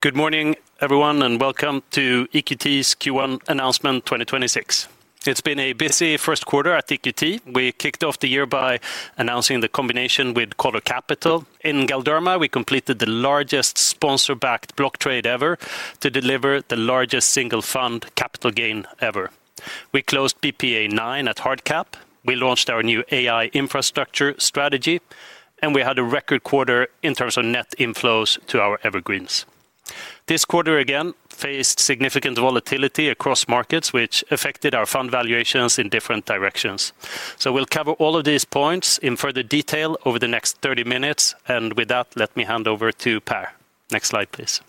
Good morning, everyone, and welcome to EQT's Q1 announcement 2026. It's been a busy first quarter at EQT. We kicked off the year by announcing the combination with Coller Capital. In Galderma, we completed the largest sponsor-backed block trade ever to deliver the largest single fund capital gain ever. We closed BPEA IX at hard cap, we launched our new AI infrastructure strategy, and we had a record quarter in terms of net inflows to our evergreens. This quarter, again, faced significant volatility across markets, which affected our fund valuations in different directions. We'll cover all of these points in further detail over the next 30 minutes. With that, let me hand over to Per. Next slide, please.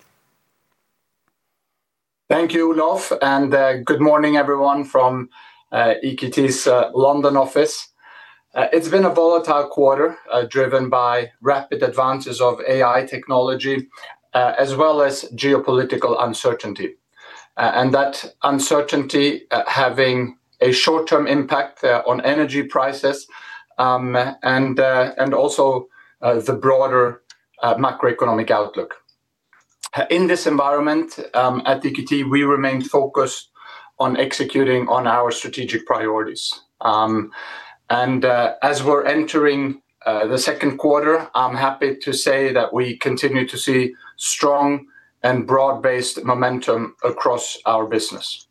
Thank you, Olof, and good morning, everyone, from EQT's London office. It's been a volatile quarter, driven by rapid advances of AI technology, as well as geopolitical uncertainty. That uncertainty having a short-term impact on energy prices, and also the broader macroeconomic outlook. In this environment, at EQT, we remain focused on executing on our strategic priorities. As we're entering the second quarter, I'm happy to say that we continue to see strong and broad-based momentum across our business.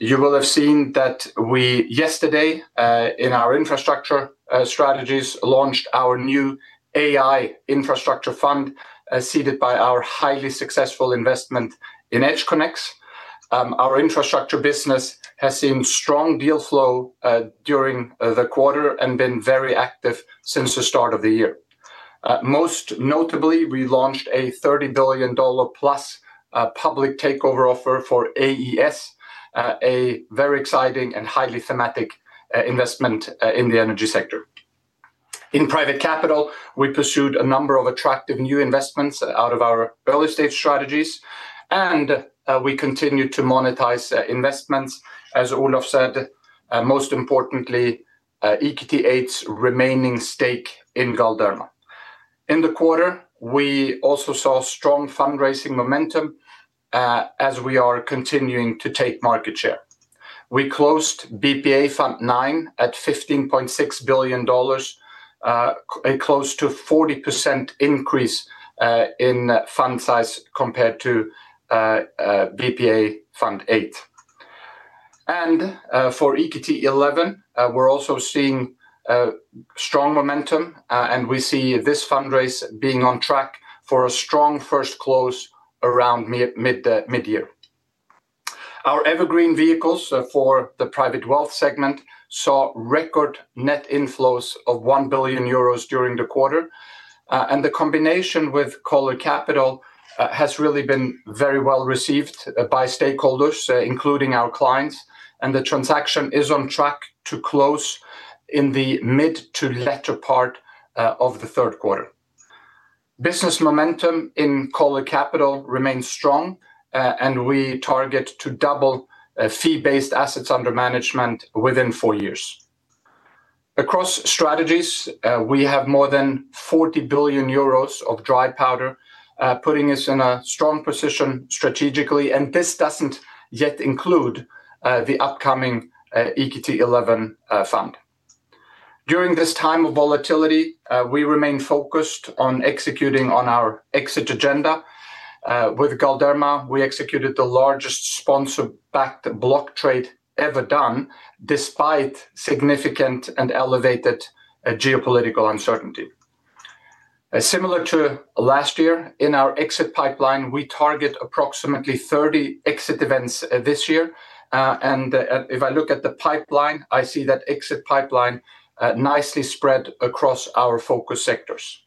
You will have seen that we, yesterday, in our infrastructure strategies, launched our new AI infrastructure fund, seeded by our highly successful investment in EdgeConneX. Our infrastructure business has seen strong deal flow during the quarter and been very active since the start of the year. Most notably, we launched a $30 billion+ public takeover offer for AES, a very exciting and highly thematic investment in the energy sector. In Private Capital, we pursued a number of attractive new investments out of our early-stage strategies, and we continued to monetize investments, as Olof said, most importantly, EQT VIII's remaining stake in Galderma. In the quarter, we also saw strong fundraising momentum, as we are continuing to take market share. We closed BPEA Fund IX at $15.6 billion, close to 40% increase in fund size compared to BPEA Fund VIII. For EQT XI, we're also seeing strong momentum, and we see this fundraise being on track for a strong first close around mid-year. Our evergreen vehicles for the private wealth segment saw record net inflows of 1 billion euros during the quarter. The combination with Coller Capital has really been very well received by stakeholders, including our clients, and the transaction is on track to close in the mid to latter part of the third quarter. Business momentum in Coller Capital remains strong, and we target to double fee-based assets under management within four years. Across strategies, we have more than 40 billion euros of dry powder, putting us in a strong position strategically, and this doesn't yet include the upcoming EQT XI fund. During this time of volatility, we remain focused on executing on our exit agenda. With Galderma, we executed the largest sponsor-backed block trade ever done, despite significant and elevated geopolitical uncertainty. Similar to last year, in our exit pipeline, we target approximately 30 exit events this year. If I look at the pipeline, I see that exit pipeline nicely spread across our focus sectors.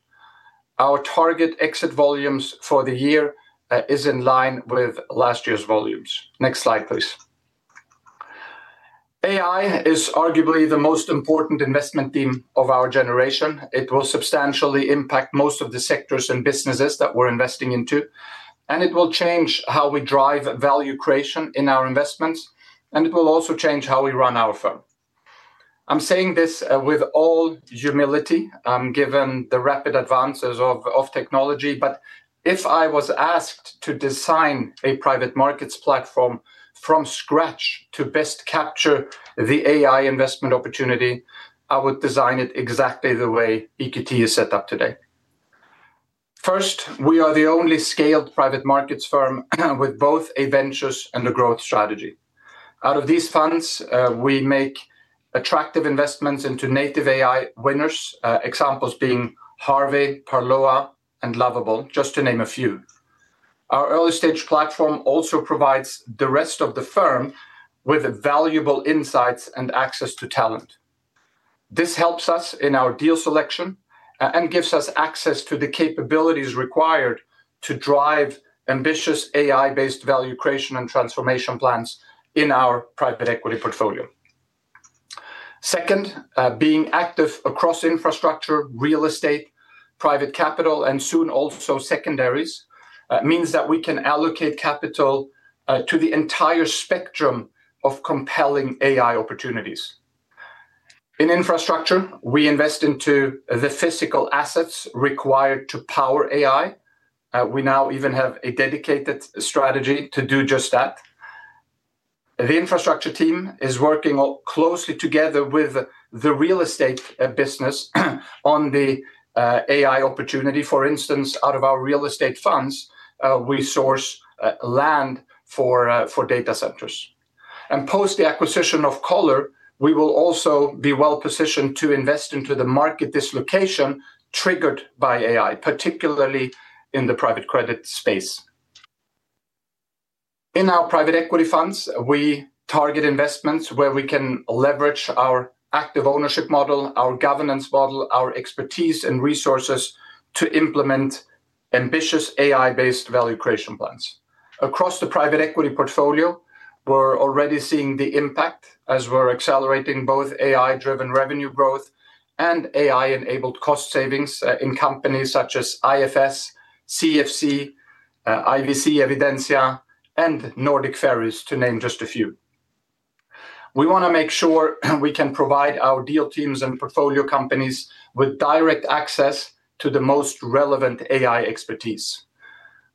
Our target exit volumes for the year is in line with last year's volumes. Next slide, please. AI is arguably the most important investment theme of our generation. It will substantially impact most of the sectors and businesses that we're investing into, and it will change how we drive value creation in our investments, and it will also change how we run our firm. I'm saying this with all humility, given the rapid advances of technology, but if I was asked to design a private markets platform from scratch to best capture the AI investment opportunity, I would design it exactly the way EQT is set up today. First, we are the only scaled private markets firm with both a ventures and a growth strategy. Out of these funds, we make attractive investments into native AI winners, examples being Harvey, Parloa, and Lovable, just to name a few. Our early-stage platform also provides the rest of the firm with valuable insights and access to talent. This helps us in our deal selection and gives us access to the capabilities required to drive ambitious AI-based value creation and transformation plans in our private equity portfolio. Second, being active across infrastructure, real estate, private capital, and soon also secondaries, means that we can allocate capital to the entire spectrum of compelling AI opportunities. In infrastructure, we invest into the physical assets required to power AI. We now even have a dedicated strategy to do just that. The infrastructure team is working closely together with the real estate business on the AI opportunity. For instance, out of our real estate funds, we source land for data centers. Post the acquisition of Coller, we will also be well positioned to invest into the market dislocation triggered by AI, particularly in the private credit space. In our private equity funds, we target investments where we can leverage our active ownership model, our governance model, our expertise and resources to implement ambitious AI-based value creation plans. Across the private equity portfolio, we're already seeing the impact as we're accelerating both AI-driven revenue growth and AI-enabled cost savings in companies such as IFS, CFC, IVC Evidensia, and Nordic Ferry, to name just a few. We want to make sure we can provide our deal teams and portfolio companies with direct access to the most relevant AI expertise.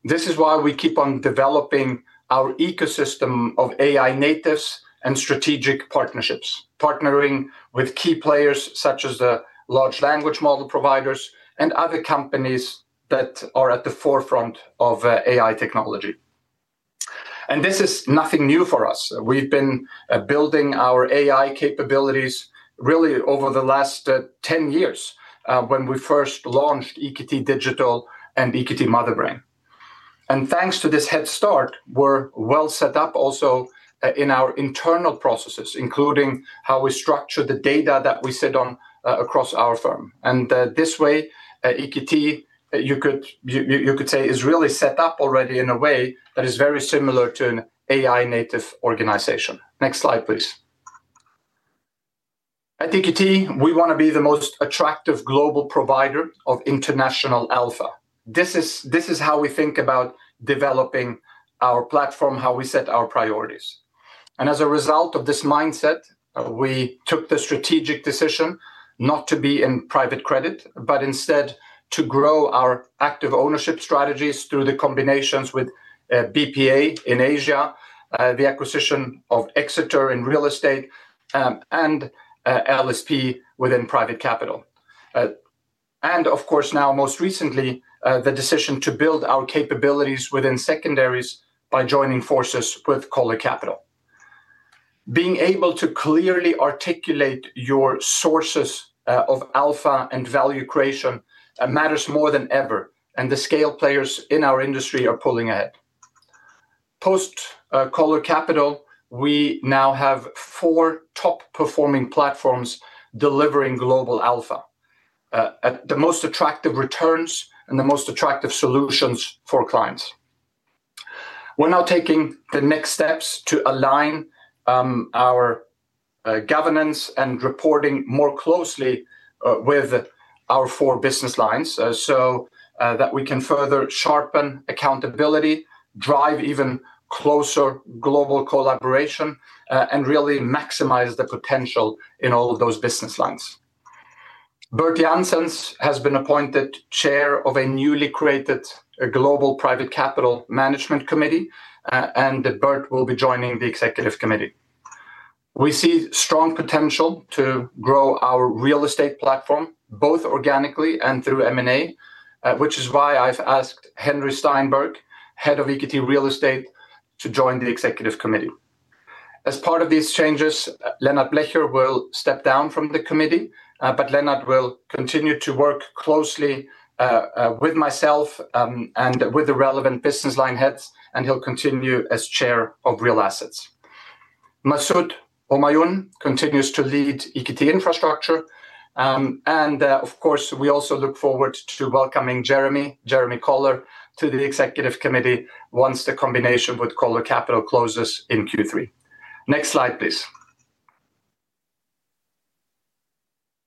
This is why we keep on developing our ecosystem of AI natives and strategic partnerships, partnering with key players such as the large language model providers and other companies that are at the forefront of AI technology. This is nothing new for us. We've been building our AI capabilities really over the last 10 years when we first launched EQT Digital and EQT Motherbrain. Thanks to this head start, we're well set up also in our internal processes, including how we structure the data that we sit on across our firm. This way, EQT, you could say, is really set up already in a way that is very similar to an AI native organization. Next slide, please. At EQT, we want to be the most attractive global provider of international alpha. This is how we think about developing our platform, how we set our priorities. As a result of this mindset, we took the strategic decision not to be in private credit, but instead to grow our active ownership strategies through the combinations with BPEA in Asia, the acquisition of Exeter in real estate, and LSP within private capital. Of course, now most recently, the decision to build our capabilities within secondaries by joining forces with Coller Capital. Being able to clearly articulate your sources of alpha and value creation matters more than ever, and the scale players in our industry are pulling ahead. Post Coller Capital, we now have four top-performing platforms delivering global alpha at the most attractive returns and the most attractive solutions for clients. We're now taking the next steps to align our governance and reporting more closely with our four business lines so that we can further sharpen accountability, drive even closer global collaboration, and really maximize the potential in all of those business lines. Bert Janssens has been appointed Chair of a newly created Global Private Capital Management Committee, and Bert will be joining the Executive Committee. We see strong potential to grow our real estate platform, both organically and through M&A, which is why I've asked Henry Steinberg, Head of EQT Real Estate, to join the Executive Committee. As part of these changes, Lennart Blecher will step down from the committee, but Lennart will continue to work closely with myself and with the relevant business line heads, and he'll continue as Chair of Real Assets. Masud Homayoun continues to lead EQT Infrastructure, and of course, we also look forward to welcoming Jeremy Coller to the executive committee once the combination with Coller Capital closes in Q3. Next slide, please.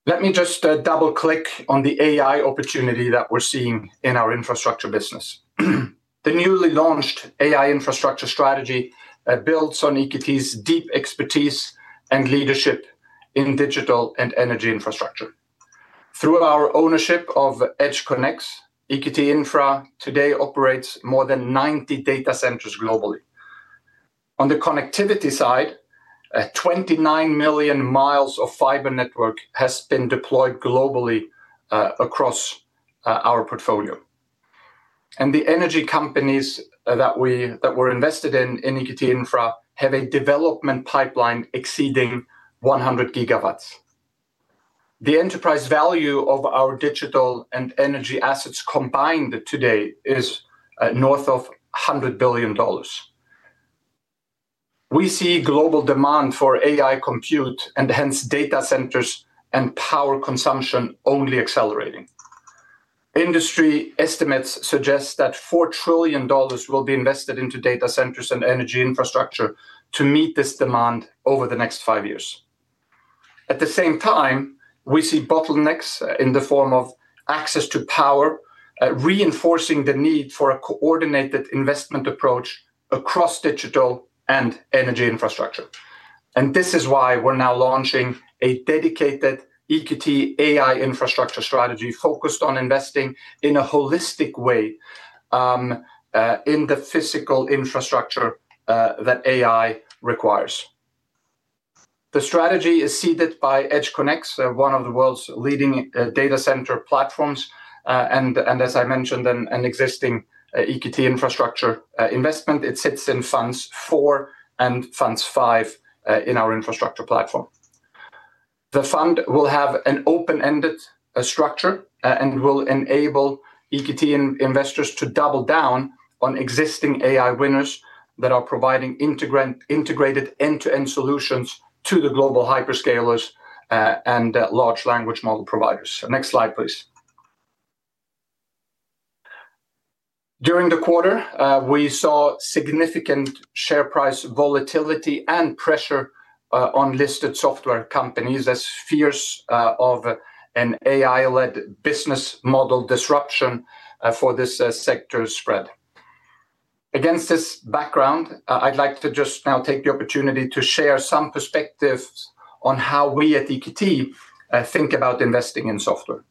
Let me just double click on the AI opportunity that we're seeing in our infrastructure business. The newly launched EQT AI Infrastructure strategy builds on EQT's deep expertise and leadership in digital and energy infrastructure. Through our ownership of EdgeConneX, EQT Infra today operates more than 90 data centers globally. On the connectivity side, 29 million miles of fiber network has been deployed globally across our portfolio. The energy companies that were invested in EQT Infra have a development pipeline exceeding 100 GW. The enterprise value of our digital and energy assets combined today is north of $100 billion. We see global demand for AI compute, and hence data centers and power consumption only accelerating. Industry estimates suggest that $4 trillion will be invested into data centers and energy infrastructure to meet this demand over the next five years. At the same time, we see bottlenecks in the form of access to power, reinforcing the need for a coordinated investment approach across digital and energy infrastructure. This is why we're now launching a dedicated EQT AI Infrastructure strategy focused on investing in a holistic way in the physical infrastructure that AI requires. The strategy is seeded by EdgeConneX, one of the world's leading data center platforms, and as I mentioned, an existing EQT Infrastructure investment. It sits in Funds IV and Funds V in our infrastructure platform. The fund will have an open-ended structure and will enable EQT investors to double down on existing AI winners that are providing integrated end-to-end solutions to the global hyperscalers and large language model providers. Next slide, please. During the quarter, we saw significant share price volatility and pressure on listed software companies as fears of an AI-led business model disruption for this sector spread. Against this background, I'd like to just now take the opportunity to share some perspectives on how we at EQT think about investing in software.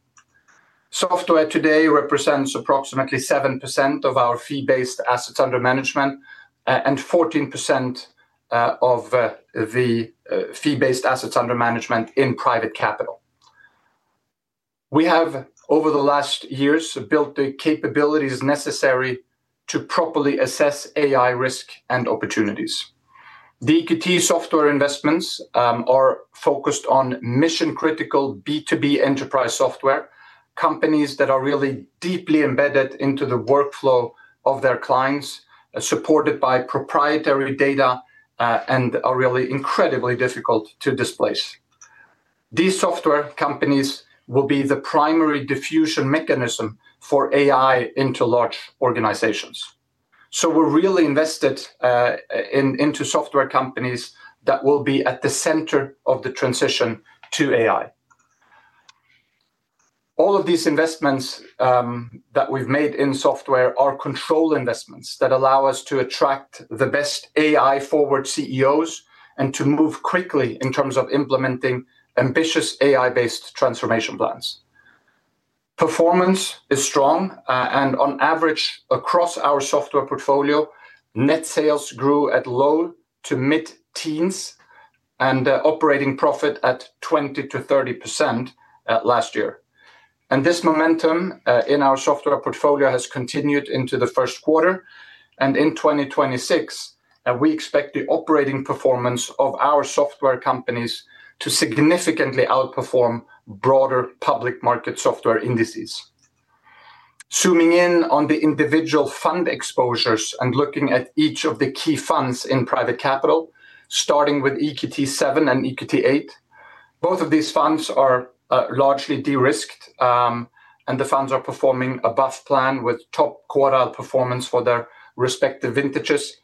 Software today represents approximately 7% of our fee-based assets under management and 14% of the fee-based assets under management in private capital. We have, over the last years, built the capabilities necessary to properly assess AI risk and opportunities. The EQT software investments are focused on mission-critical B2B enterprise software companies that are really deeply embedded into the workflow of their clients, supported by proprietary data, and are really incredibly difficult to displace. These software companies will be the primary diffusion mechanism for AI into large organizations. We're really invested into software companies that will be at the center of the transition to AI. All of these investments that we've made in software are control investments that allow us to attract the best AI-forward CEOs and to move quickly in terms of implementing ambitious AI-based transformation plans. Performance is strong, and on average, across our software portfolio, net sales grew at low- to mid-teens and operating profit at 20%-30% last year. This momentum in our software portfolio has continued into the first quarter and in 2026, we expect the operating performance of our software companies to significantly outperform broader public market software indices. Zooming in on the individual fund exposures and looking at each of the key funds in private capital, starting with EQT VII and EQT VIII. Both of these funds are largely de-risked, and the funds are performing above plan with top quartile performance for their respective vintages.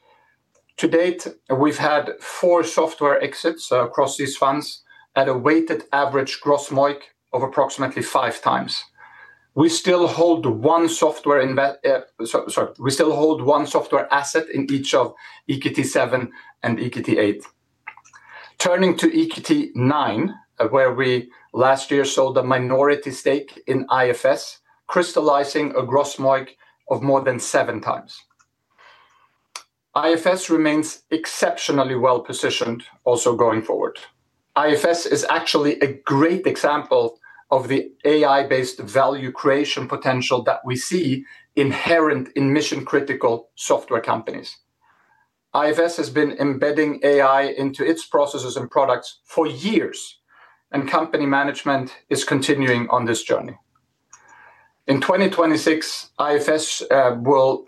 To-date, we've had four software exits across these funds at a weighted average gross MOIC of approximately 5x. We still hold one software asset in each of EQT VII and EQT VIII. Turning to EQT IX, where we last year sold a minority stake in IFS, crystallizing a gross MOIC of more than 7x. IFS remains exceptionally well-positioned also going forward. IFS is actually a great example of the AI-based value creation potential that we see inherent in mission-critical software companies. IFS has been embedding AI into its processes and products for years, and company management is continuing on this journey. In 2026, IFS will,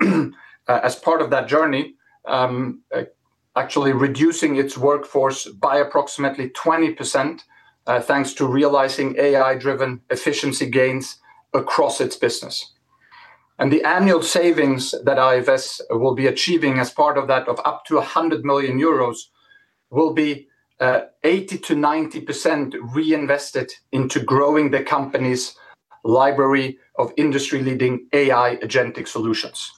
as part of that journey, actually reducing its workforce by approximately 20% thanks to realizing AI-driven efficiency gains across its business. The annual savings that IFS will be achieving as part of that of up to 100 million euros will be 80%-90% reinvested into growing the company's library of industry-leading AI agentic solutions.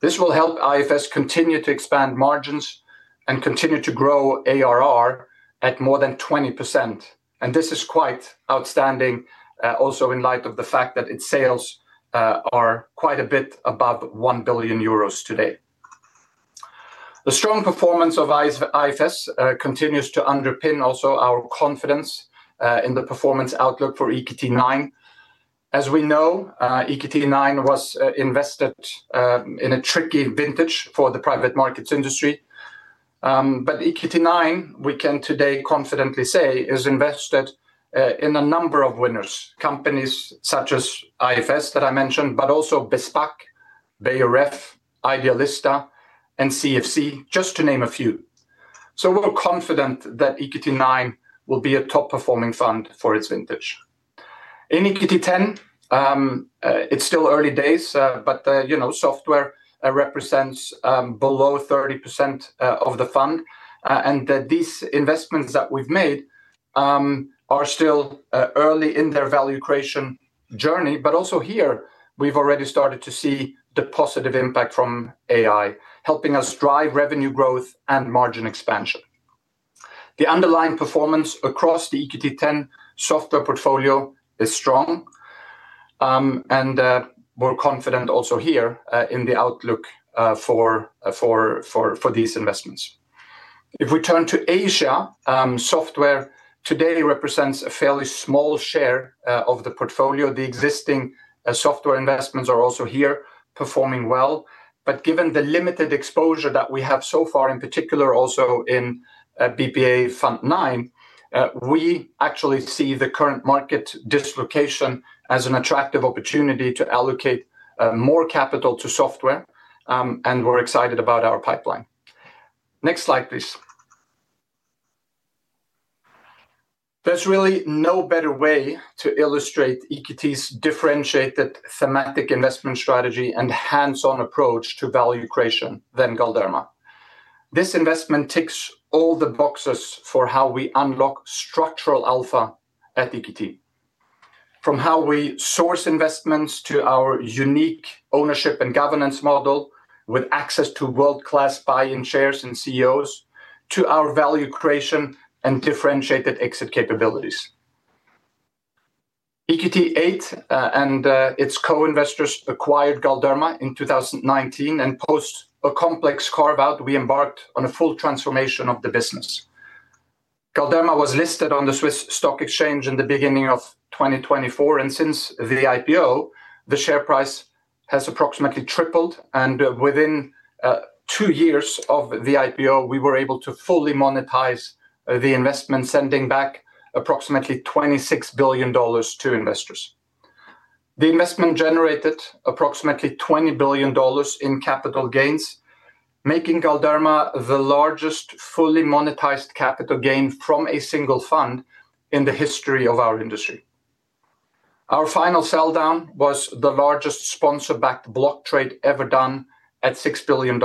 This will help IFS continue to expand margins and continue to grow ARR at more than 20%. This is quite outstanding, also in light of the fact that its sales are quite a bit above 1 billion euros today. The strong performance of IFS continues to underpin also our confidence in the performance outlook for EQT IX. As we know, EQT IX was invested in a tricky vintage for the private markets industry. EQT IX, we can today confidently say, is invested in a number of winners, companies such as IFS that I mentioned, but also Bespak, Beijer Ref, Idealista, and CFC, just to name a few. We're confident that EQT IX will be a top-performing fund for its vintage. In EQT X, it's still early days, but software represents below 30% of the fund and that these investments that we've made are still early in their value creation journey, but also here we've already started to see the positive impact from AI helping us drive revenue growth and margin expansion. The underlying performance across the EQT X software portfolio is strong. We're confident also here in the outlook for these investments. If we turn to Asia, software today represents a fairly small share of the portfolio. The existing software investments are also here performing well. Given the limited exposure that we have so far, in particular also in BPEA Fund IX, we actually see the current market dislocation as an attractive opportunity to allocate more capital to software, and we're excited about our pipeline. Next slide, please. There's really no better way to illustrate EQT's differentiated thematic investment strategy and hands-on approach to value creation than Galderma. This investment ticks all the boxes for how we unlock structural alpha at EQT. From how we source investments to our unique ownership and governance model with access to world-class buy-side chairs and CEOs, to our value creation and differentiated exit capabilities. EQT VIII and its co-investors acquired Galderma in 2019 and post a complex carve-out we embarked on a full transformation of the business. Galderma was listed on the SIX Swiss Exchange in the beginning of 2024. Since the IPO, the share price has approximately tripled, and within two years of the IPO, we were able to fully monetize the investment, sending back approximately $26 billion to investors. The investment generated approximately $20 billion in capital gains, making Galderma the largest fully monetized capital gain from a single fund in the history of our industry. Our final sell-down was the largest sponsor-backed block trade ever done at $6 billion.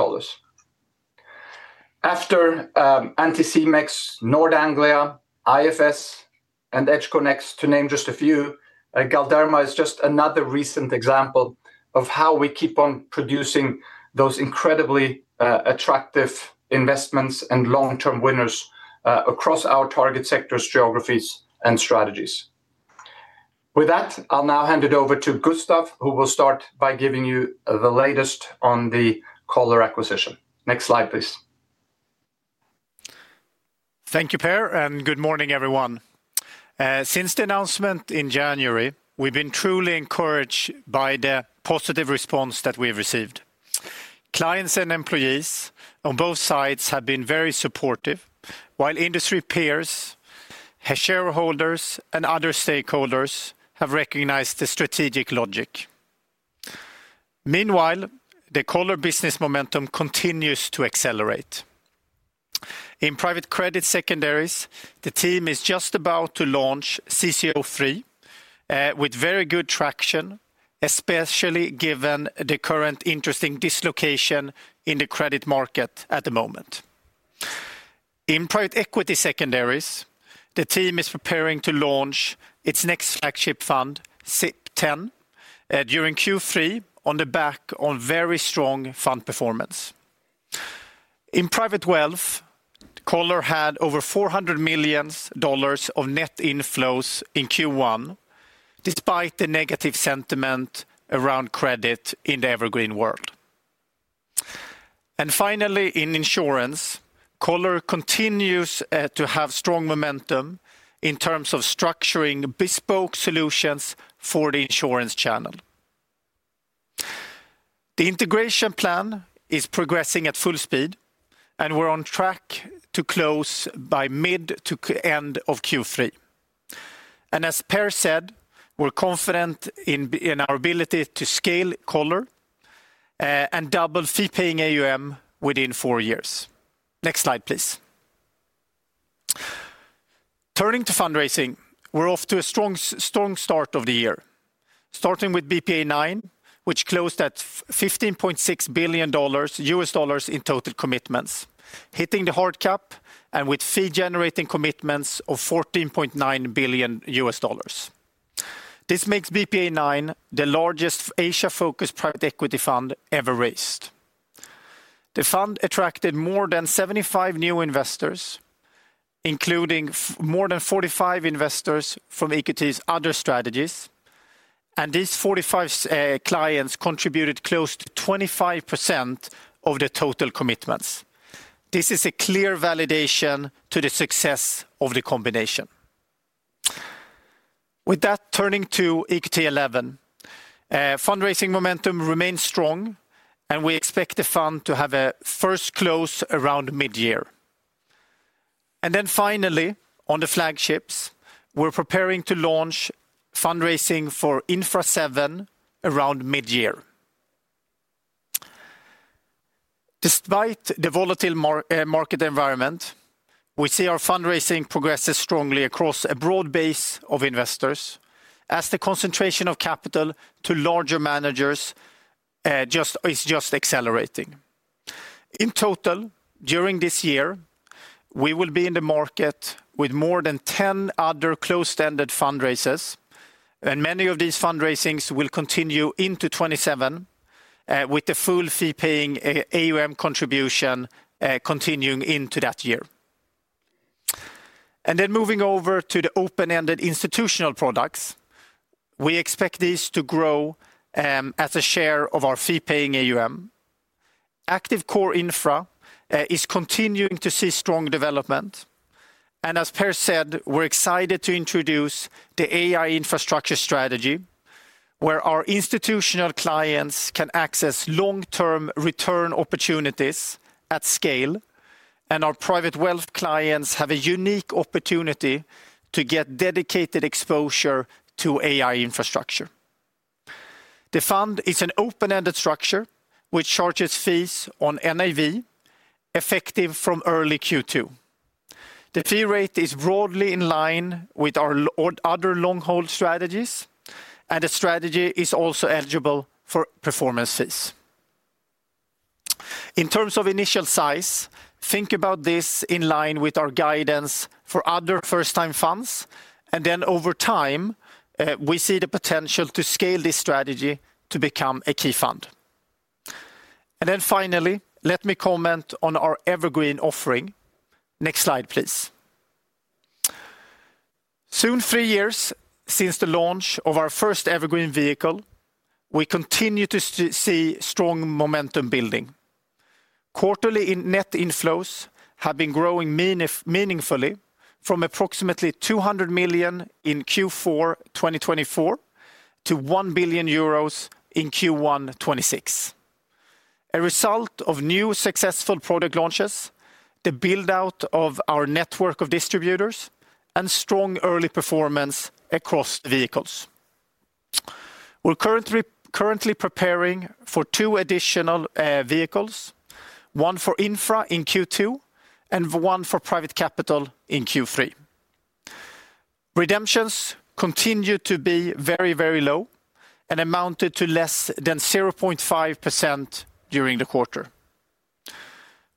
After Anticimex, Nord Anglia, IFS, and EdgeConneX, to name just a few, Galderma is just another recent example of how we keep on producing those incredibly attractive investments and long-term winners across our target sectors, geographies, and strategies. With that, I'll now hand it over to Gustav, who will start by giving you the latest on the Coller acquisition. Next slide, please. Thank you, Per, and good morning, everyone. Since the announcement in January, we've been truly encouraged by the positive response that we have received. Clients and employees on both sides have been very supportive, while industry peers, shareholders, and other stakeholders have recognized the strategic logic. Meanwhile, the Coller business momentum continues to accelerate. In private credit secondaries, the team is just about to launch CCO III with very good traction, especially given the current interesting dislocation in the credit market at the moment. In private equity secondaries, the team is preparing to launch its next flagship fund, SIP 10, during Q3 on the back of very strong fund performance. In private wealth, Coller had over $400 million of net inflows in Q1, despite the negative sentiment around credit in the evergreen world. Finally, in insurance, Coller continues to have strong momentum in terms of structuring bespoke solutions for the insurance channel. The integration plan is progressing at full speed, and we're on track to close by mid to end of Q3. As Per said, we're confident in our ability to scale Coller, and double fee-paying AUM within four years. Next slide, please. Turning to fundraising, we're off to a strong start of the year. Starting with BPEA IX, which closed at $15.6 billion in total commitments, hitting the hard cap and with fee-generating commitments of $14.9 billion. This makes BPEA IX the largest Asia-focused private equity fund ever raised. The fund attracted more than 75 new investors, including more than 45 investors from EQT's other strategies, and these 45 clients contributed close to 25% of the total commitments. This is a clear validation to the success of the combination. With that, turning to EQT XI. Fundraising momentum remains strong, and we expect the fund to have a first close around mid-year. Finally, on the flagships, we're preparing to launch fundraising for EQT Infrastructure VII around mid-year. Despite the volatile market environment. We see our fundraising progresses strongly across a broad base of investors as the concentration of capital to larger managers is just accelerating. In total, during this year, we will be in the market with more than 10 other closed-ended fundraisers. Many of these fundraisings will continue into 2027 with the full fee-paying AUM contribution continuing into that year. Moving over to the open-ended institutional products. We expect these to grow as a share of our fee-paying AUM. Active Core Infra is continuing to see strong development. As Per said, we're excited to introduce the AI infrastructure strategy where our institutional clients can access long-term return opportunities at scale, and our private wealth clients have a unique opportunity to get dedicated exposure to AI infrastructure. The fund is an open-ended structure which charges fees on NAV effective from early Q2. The fee rate is broadly in line with our other long-hold strategies, and the strategy is also eligible for performance fees. In terms of initial size, think about this in line with our guidance for other first-time funds, and then over time, we see the potential to scale this strategy to become a key fund. Then finally, let me comment on our evergreen offering. Next slide, please. Soon, three years since the launch of our first evergreen vehicle, we continue to see strong momentum building. Quarterly net inflows have been growing meaningfully from approximately 200 million in Q4 2024 to 1 billion euros in Q1 2026. A result of new successful product launches, the build-out of our network of distributors, and strong early performance across the vehicles. We're currently preparing for two additional vehicles, one for infra in Q2 and one for private capital in Q3. Redemptions continue to be very low and amounted to less than 0.5% during the quarter.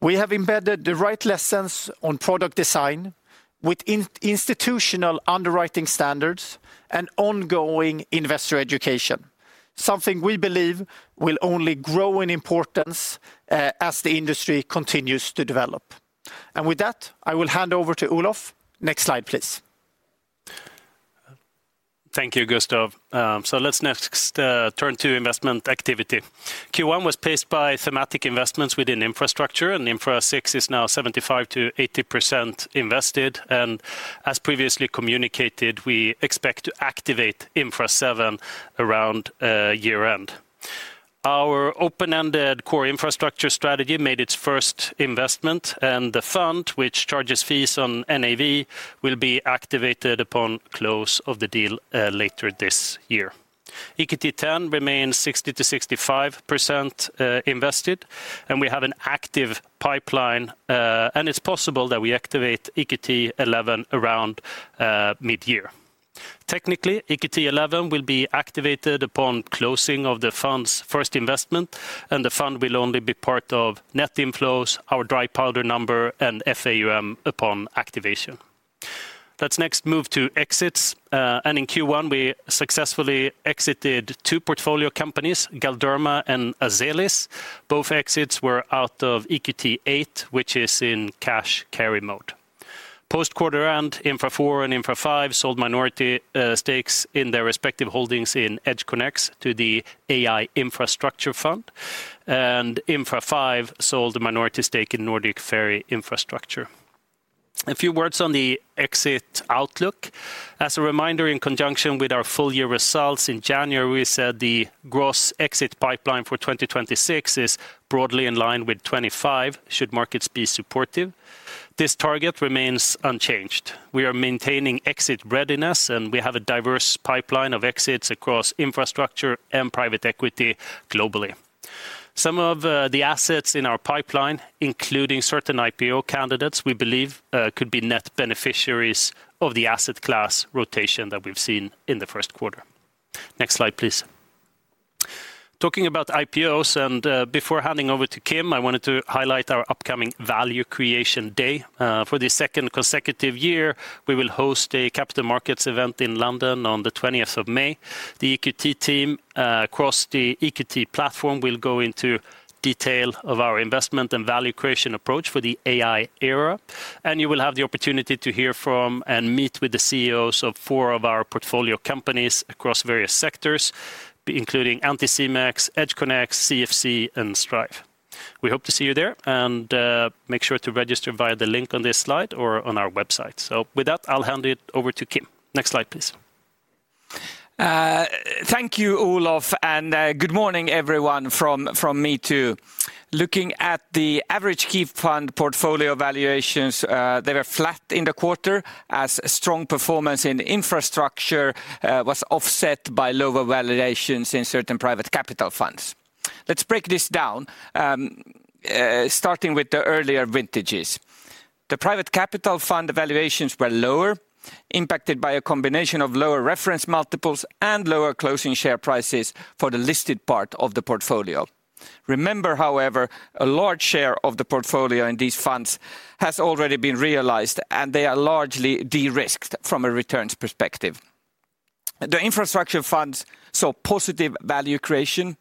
We have embedded the right lessons on product design with institutional underwriting standards and ongoing investor education. Something we believe will only grow in importance as the industry continues to develop. With that, I will hand over to Olof. Next slide, please. Thank you, Gustav. Let's next turn to investment activity. Q1 was paced by thematic investments within infrastructure and Infra VI is now 75%-80% invested, and as previously communicated, we expect to activate Infra VII around year-end. Our open-ended core infrastructure strategy made its first investment and the fund which charges fees on NAV will be activated upon close of the deal later this year. EQT 10 remains 60%-65% invested and we have an active pipeline and it's possible that we activate EQT 11 around mid-year. Technically, EQT 11 will be activated upon closing of the fund's first investment and the fund will only be part of net inflows, our dry powder number and FAUM upon activation. Let's next move to exits. In Q1 we successfully exited two portfolio companies, Galderma and Azelis. Both exits were out of EQT VIII which is in cash carry mode. Post quarter end, Infra IV and Infra V sold minority stakes in their respective holdings in EdgeConneX to AI Infrastructure and Infra V sold the minority stake in Nordic Ferry Infrastructure. A few words on the exit outlook. As a reminder, in conjunction with our full year results in January we said the gross exit pipeline for 2026 is broadly in line with 2025 should markets be supportive. This target remains unchanged. We are maintaining exit readiness and we have a diverse pipeline of exits across infrastructure and private equity globally. Some of the assets in our pipeline including certain IPO candidates we believe could be net beneficiaries of the asset class rotation that we've seen in the first quarter. Next slide please. Talking about IPOs and before handing over to Kim I wanted to highlight our upcoming Value Creation Day. For the second consecutive year we will host a capital markets event in London on the 20th of May. The EQT team across the EQT platform will go into detail of our investment and value creation approach for the AI era and you will have the opportunity to hear from and meet with the CEOs of four of our portfolio companies across various sectors including Anticimex, EdgeConneX, CFC and Stripe. We hope to see you there and make sure to register via the link on this slide or on our website. With that I'll hand it over to Kim. Next slide please. Thank you Olof and good morning everyone from me too. Looking at the average key fund portfolio valuations they were flat in the quarter as strong performance in infrastructure was offset by lower valuations in certain private capital funds. Let's break this down starting with the earlier vintages. The private capital fund evaluations were lower, impacted by a combination of lower reference multiples and lower closing share prices for the listed part of the portfolio. Remember, however, a large share of the portfolio in these funds has already been realized, and they are largely de-risked from a returns perspective. The infrastructure funds saw positive value creation.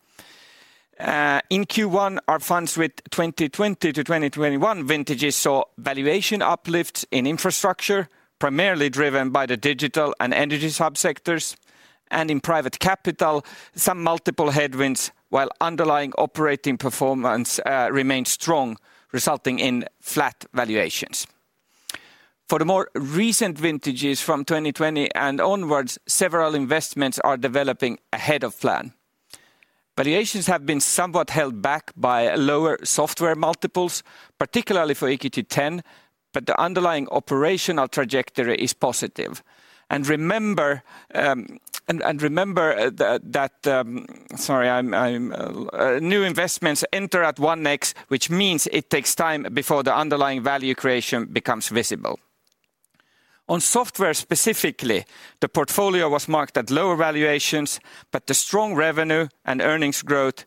In Q1, our funds with 2020 to 2021 vintages saw valuation uplifts in infrastructure, primarily driven by the digital and energy sub-sectors, and in private capital, some multiple headwinds, while underlying operating performance remains strong, resulting in flat valuations. For the more recent vintages from 2020 and onwards, several investments are developing ahead of plan. Valuations have been somewhat held back by lower software multiples, particularly for EQT X, but the underlying operational trajectory is positive. Remember that new investments enter at 1x, which means it takes time before the underlying value creation becomes visible. On software specifically, the portfolio was marked at lower valuations, but the strong revenue and earnings growth,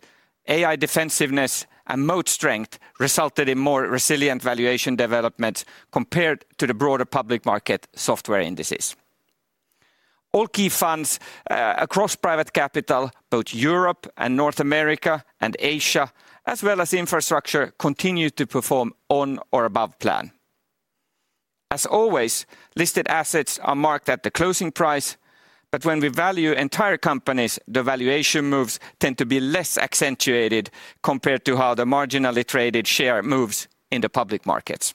AI defensiveness, and moat strength resulted in more resilient valuation development compared to the broader public market software indices. All key funds across private capital, both Europe and North America and Asia, as well as infrastructure continued to perform on or above plan. As always, listed assets are marked at the closing price, but when we value entire companies, the valuation moves tend to be less accentuated compared to how the marginally traded share moves in the public markets.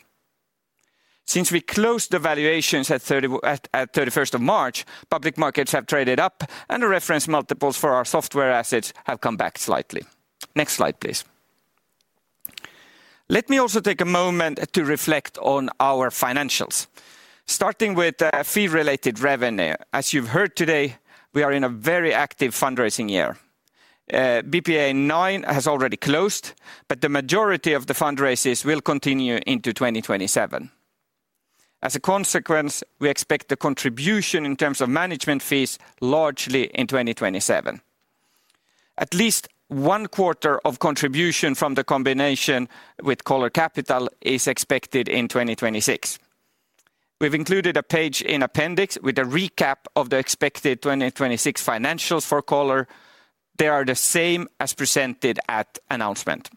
Since we closed the valuations at 31st of March, public markets have traded up and the reference multiples for our software assets have come back slightly. Next slide, please. Let me also take a moment to reflect on our financials, starting with fee-related revenue. As you've heard today, we are in a very active fundraising year. BPEA IX has already closed, but the majority of the fundraisers will continue into 2027. As a consequence, we expect the contribution in terms of management fees largely in 2027. At least one quarter of contribution from the combination with Coller Capital is expected in 2026. We've included a page in appendix with a recap of the expected 2026 financials for Coller. They are the same as presented at announcement.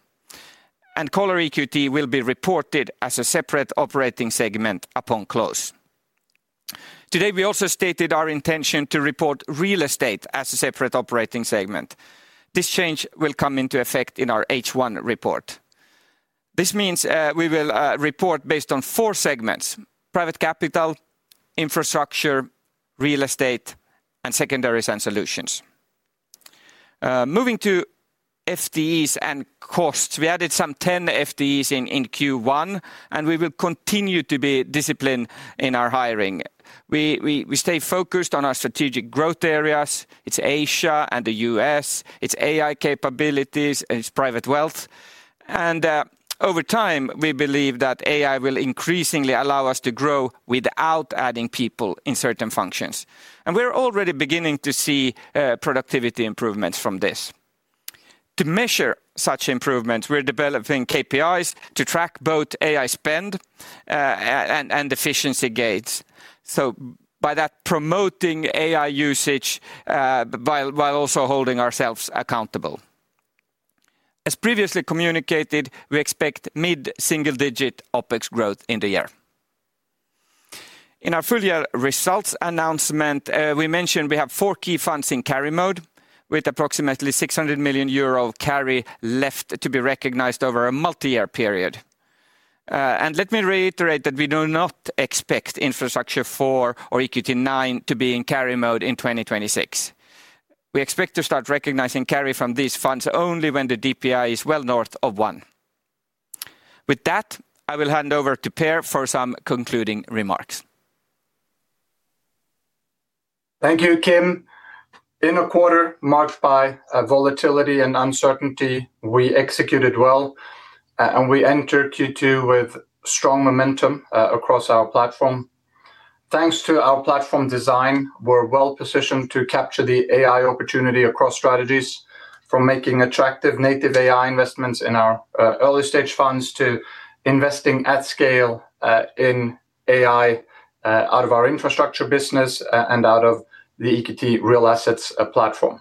Coller EQT will be reported as a separate operating segment upon close. Today, we also stated our intention to report Real Estate as a separate operating segment. This change will come into effect in our H1 report. This means we will report based on four segments: private capital, infrastructure, real estate, and secondaries and solutions. Moving to FTEs and costs, we added some 10 FTEs in Q1, and we will continue to be disciplined in our hiring. We stay focused on our strategic growth areas. It's Asia and the U.S., it's AI capabilities, and it's private wealth. Over time, we believe that AI will increasingly allow us to grow without adding people in certain functions. We're already beginning to see productivity improvements from this. To measure such improvements, we're developing KPIs to track both AI spend and efficiency gates, by that promoting AI usage while also holding ourselves accountable. As previously communicated, we expect mid-single-digit OpEx growth in the year. In our full year results announcement, we mentioned we have four key funds in carry mode with approximately 600 million euro carry left to be recognized over a multi-year period. Let me reiterate that we do not expect Infrastructure IV or EQT IX to be in carry mode in 2026. We expect to start recognizing carry from these funds only when the DPI is well north of one. With that, I will hand over to Per for some concluding remarks. Thank you, Kim. In a quarter marked by volatility and uncertainty, we executed well and we entered Q2 with strong momentum across our platform. Thanks to our platform design, we're well-positioned to capture the AI opportunity across strategies from making attractive native AI investments in our early-stage funds to investing at scale in AI out of our infrastructure business and out of the EQT Real Assets platform.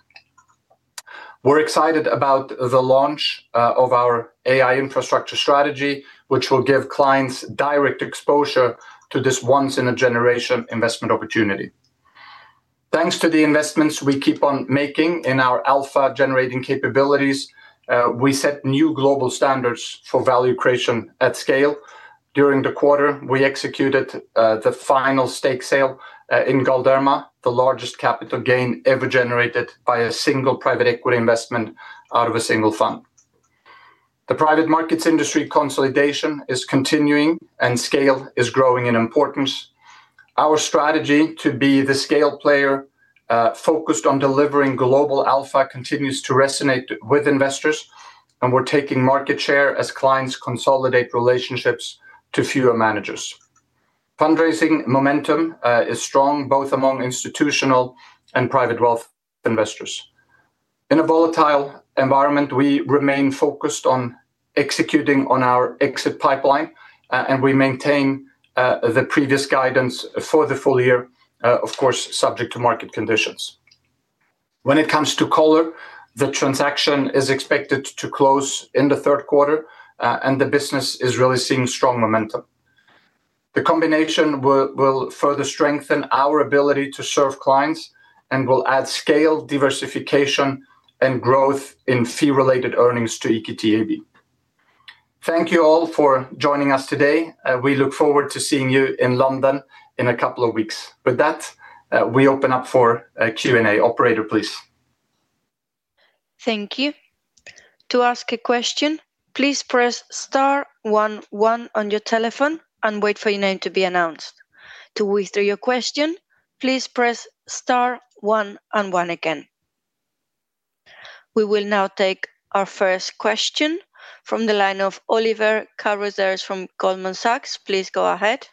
We're excited about the launch of our AI infrastructure strategy, which will give clients direct exposure to this once in a generation investment opportunity. Thanks to the investments we keep on making in our alpha-generating capabilities, we set new global standards for value creation at scale. During the quarter, we executed the final stake sale in Galderma, the largest capital gain ever generated by a single private equity investment out of a single fund. The private markets industry consolidation is continuing and scale is growing in importance. Our strategy to be the scale player focused on delivering global alpha continues to resonate with investors, and we're taking market share as clients consolidate relationships to fewer managers. Fundraising momentum is strong, both among institutional and private wealth investors. In a volatile environment, we remain focused on executing on our exit pipeline, and we maintain the previous guidance for the full year, of course, subject to market conditions. When it comes to Coller, the transaction is expected to close in the third quarter, and the business is really seeing strong momentum. The combination will further strengthen our ability to serve clients and will add scale, diversification, and growth in fee-related earnings to EQT AB. Thank you all for joining us today, and we look forward to seeing you in London in a couple of weeks. With that, we open up for Q&A. Operator, please. Thank you. To ask a question, please press star one one on your telephone and wait for your name to be announced. To withdraw your question please press star one and one again. We will now take our first question from the line of Oliver Carruthers from Goldman Sachs. Please go ahead.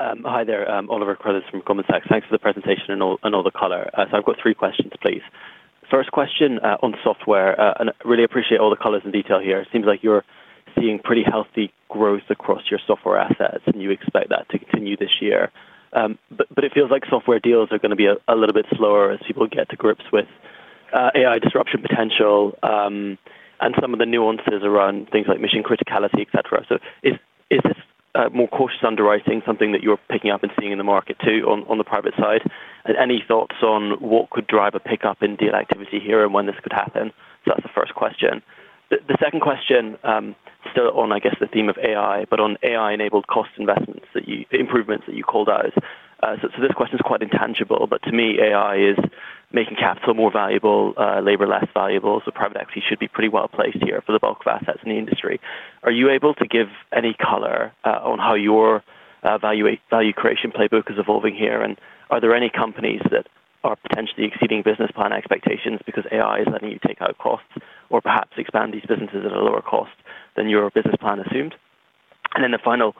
Hi there. Oliver Carruthers from Goldman Sachs. Thanks for the presentation and all the color. I've got three questions, please. First question on software, and I really appreciate all the colors and detail here. It seems like you're seeing pretty healthy growth across your software assets, and you expect that to continue this year. It feels like software deals are going to be a little bit slower as people get to grips with AI disruption potential, and some of the nuances around things like mission criticality, et cetera. Is this more cautious underwriting something that you're picking up and seeing in the market too on the private side? Any thoughts on what could drive a pickup in deal activity here and when this could happen? That's the first question. The second question, still on I guess the theme of AI, but on AI-enabled cost investments, the improvements that you called out. This question is quite intangible, but to me AI is making capital more valuable, labor less valuable. Private equity should be pretty well-placed here for the bulk of assets in the industry. Are you able to give any color on how your value creation playbook is evolving here? And are there any companies that are potentially exceeding business plan expectations because AI is letting you take out costs or perhaps expand these businesses at a lower cost than your business plan assumed? The final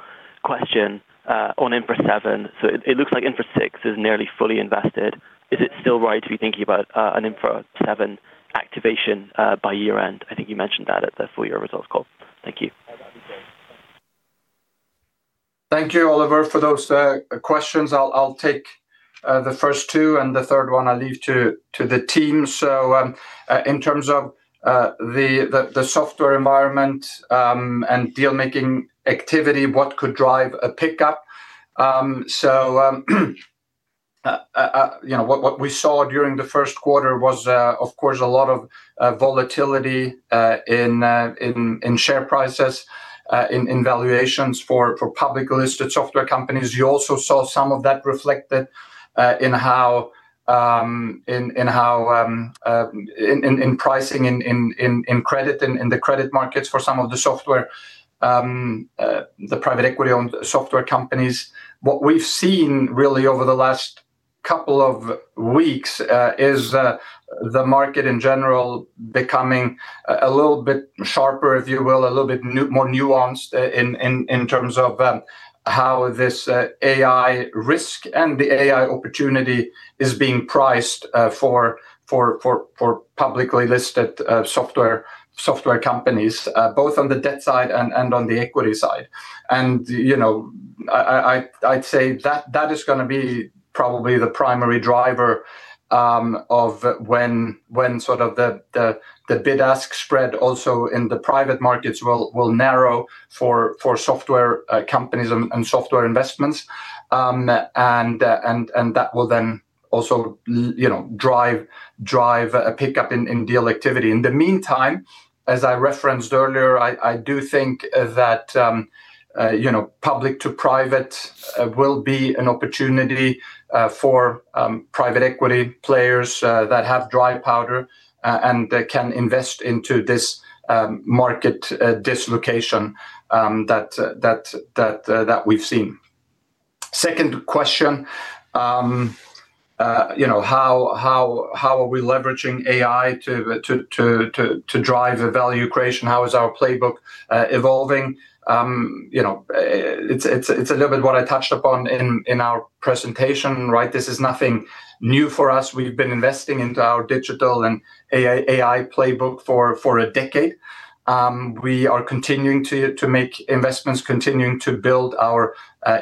question on Infra VII. It looks like Infra VI is nearly fully invested. Is it still right to be thinking about an Infra VII activation by year-end? I think you mentioned that at the full-year results call. Thank you. Thank you, Oliver, for those questions. I'll take the first two, and the third one I'll leave to the team. In terms of the software environment and deal-making activity, what could drive a pickup? What we saw during the first quarter was, of course, a lot of volatility in share prices and valuations for publicly listed software companies. You also saw some of that reflected in pricing in the credit markets for some of the private equity-owned software companies. What we've seen really over the last couple of weeks is the market in general becoming a little bit sharper, if you will, a little bit more nuanced in terms of how this AI risk and the AI opportunity is being priced for publicly listed software companies both on the debt side and on the equity side. I'd say that is going to be probably the primary driver of when sort of the bid-ask spread also in the private markets will narrow for software companies and software investments. That will then also drive a pickup in deal activity. In the meantime, as I referenced earlier, I do think that public to private will be an opportunity for private equity players that have dry powder and can invest into this market dislocation that we've seen. Second question, how are we leveraging AI to drive value creation? How is our playbook evolving? It's a little bit what I touched upon in our presentation. This is nothing new for us. We've been investing into our digital and AI playbook for a decade. We are continuing to make investments, continuing to build our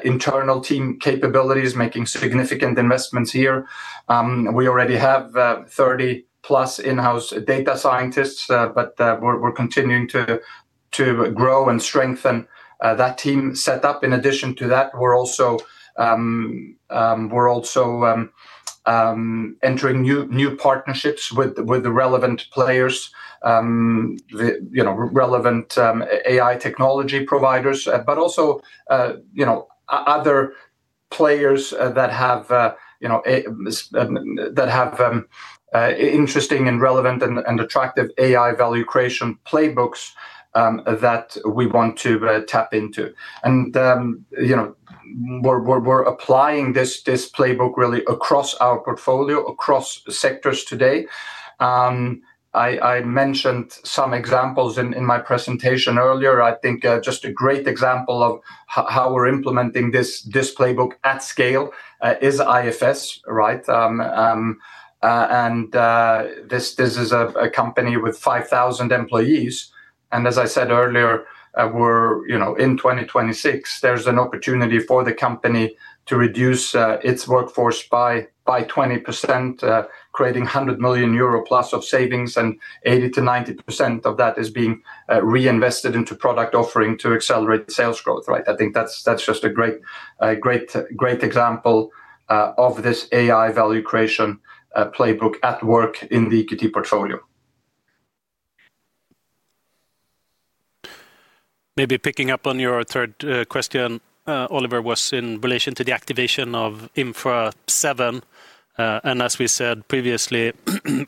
internal team capabilities, making significant investments here. We already have 30+ in-house data scientists, but we're continuing to grow and strengthen that team set up. In addition to that, we're also entering new partnerships with the relevant players, relevant AI technology providers, but also other players that have interesting and relevant and attractive AI value creation playbooks that we want to tap into. We're applying this playbook really across our portfolio, across sectors today. I mentioned some examples in my presentation earlier. I think just a great example of how we're implementing this playbook at scale is IFS, right? This is a company with 5,000 employees, and as I said earlier, in 2026, there's an opportunity for the company to reduce its workforce by 20%, creating 100 million euro plus of savings, and 80%-90% of that is being reinvested into product offering to accelerate sales growth. I think that's just a great example of this AI value creation playbook at work in the EQT portfolio. Maybe picking up on your third question, Oliver, was in relation to the activation of Infra VII, and as we said previously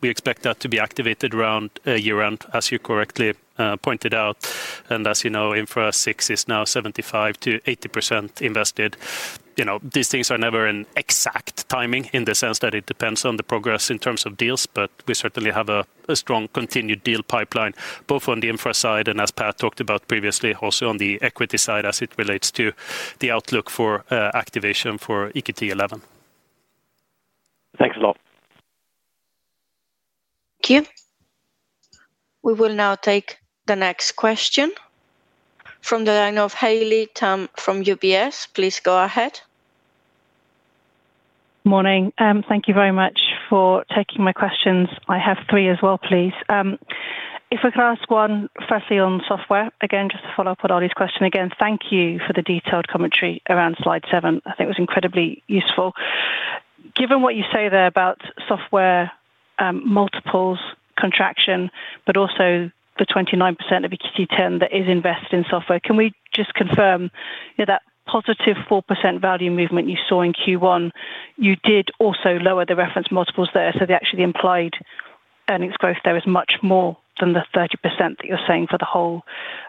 we expect that to be activated around year-end, as you correctly pointed out. As you know, Infra VI is now 75%-80% invested. These things are never in exact timing in the sense that it depends on the progress in terms of deals, but we certainly have a strong continued deal pipeline, both on the Infra side, and as Per talked about previously, also on the equity side as it relates to the outlook for activation for EQT XI. Thanks a lot. Thank you. We will now take the next question from the line of Haley Tam from UBS. Please go ahead. Morning. Thank you very much for taking my questions. I have three as well, please. If I could ask one firstly on software, again, just to follow up on Oli's question. Again, thank you for the detailed commentary around slide seven. I think it was incredibly useful. Given what you say there about software multiples contraction, but also the 29% of EQT X that is invested in software, can we just confirm that positive 4% value movement you saw in Q1, you did also lower the reference multiples there, so actually implied earnings growth there is much more than the 30% that you're saying for the whole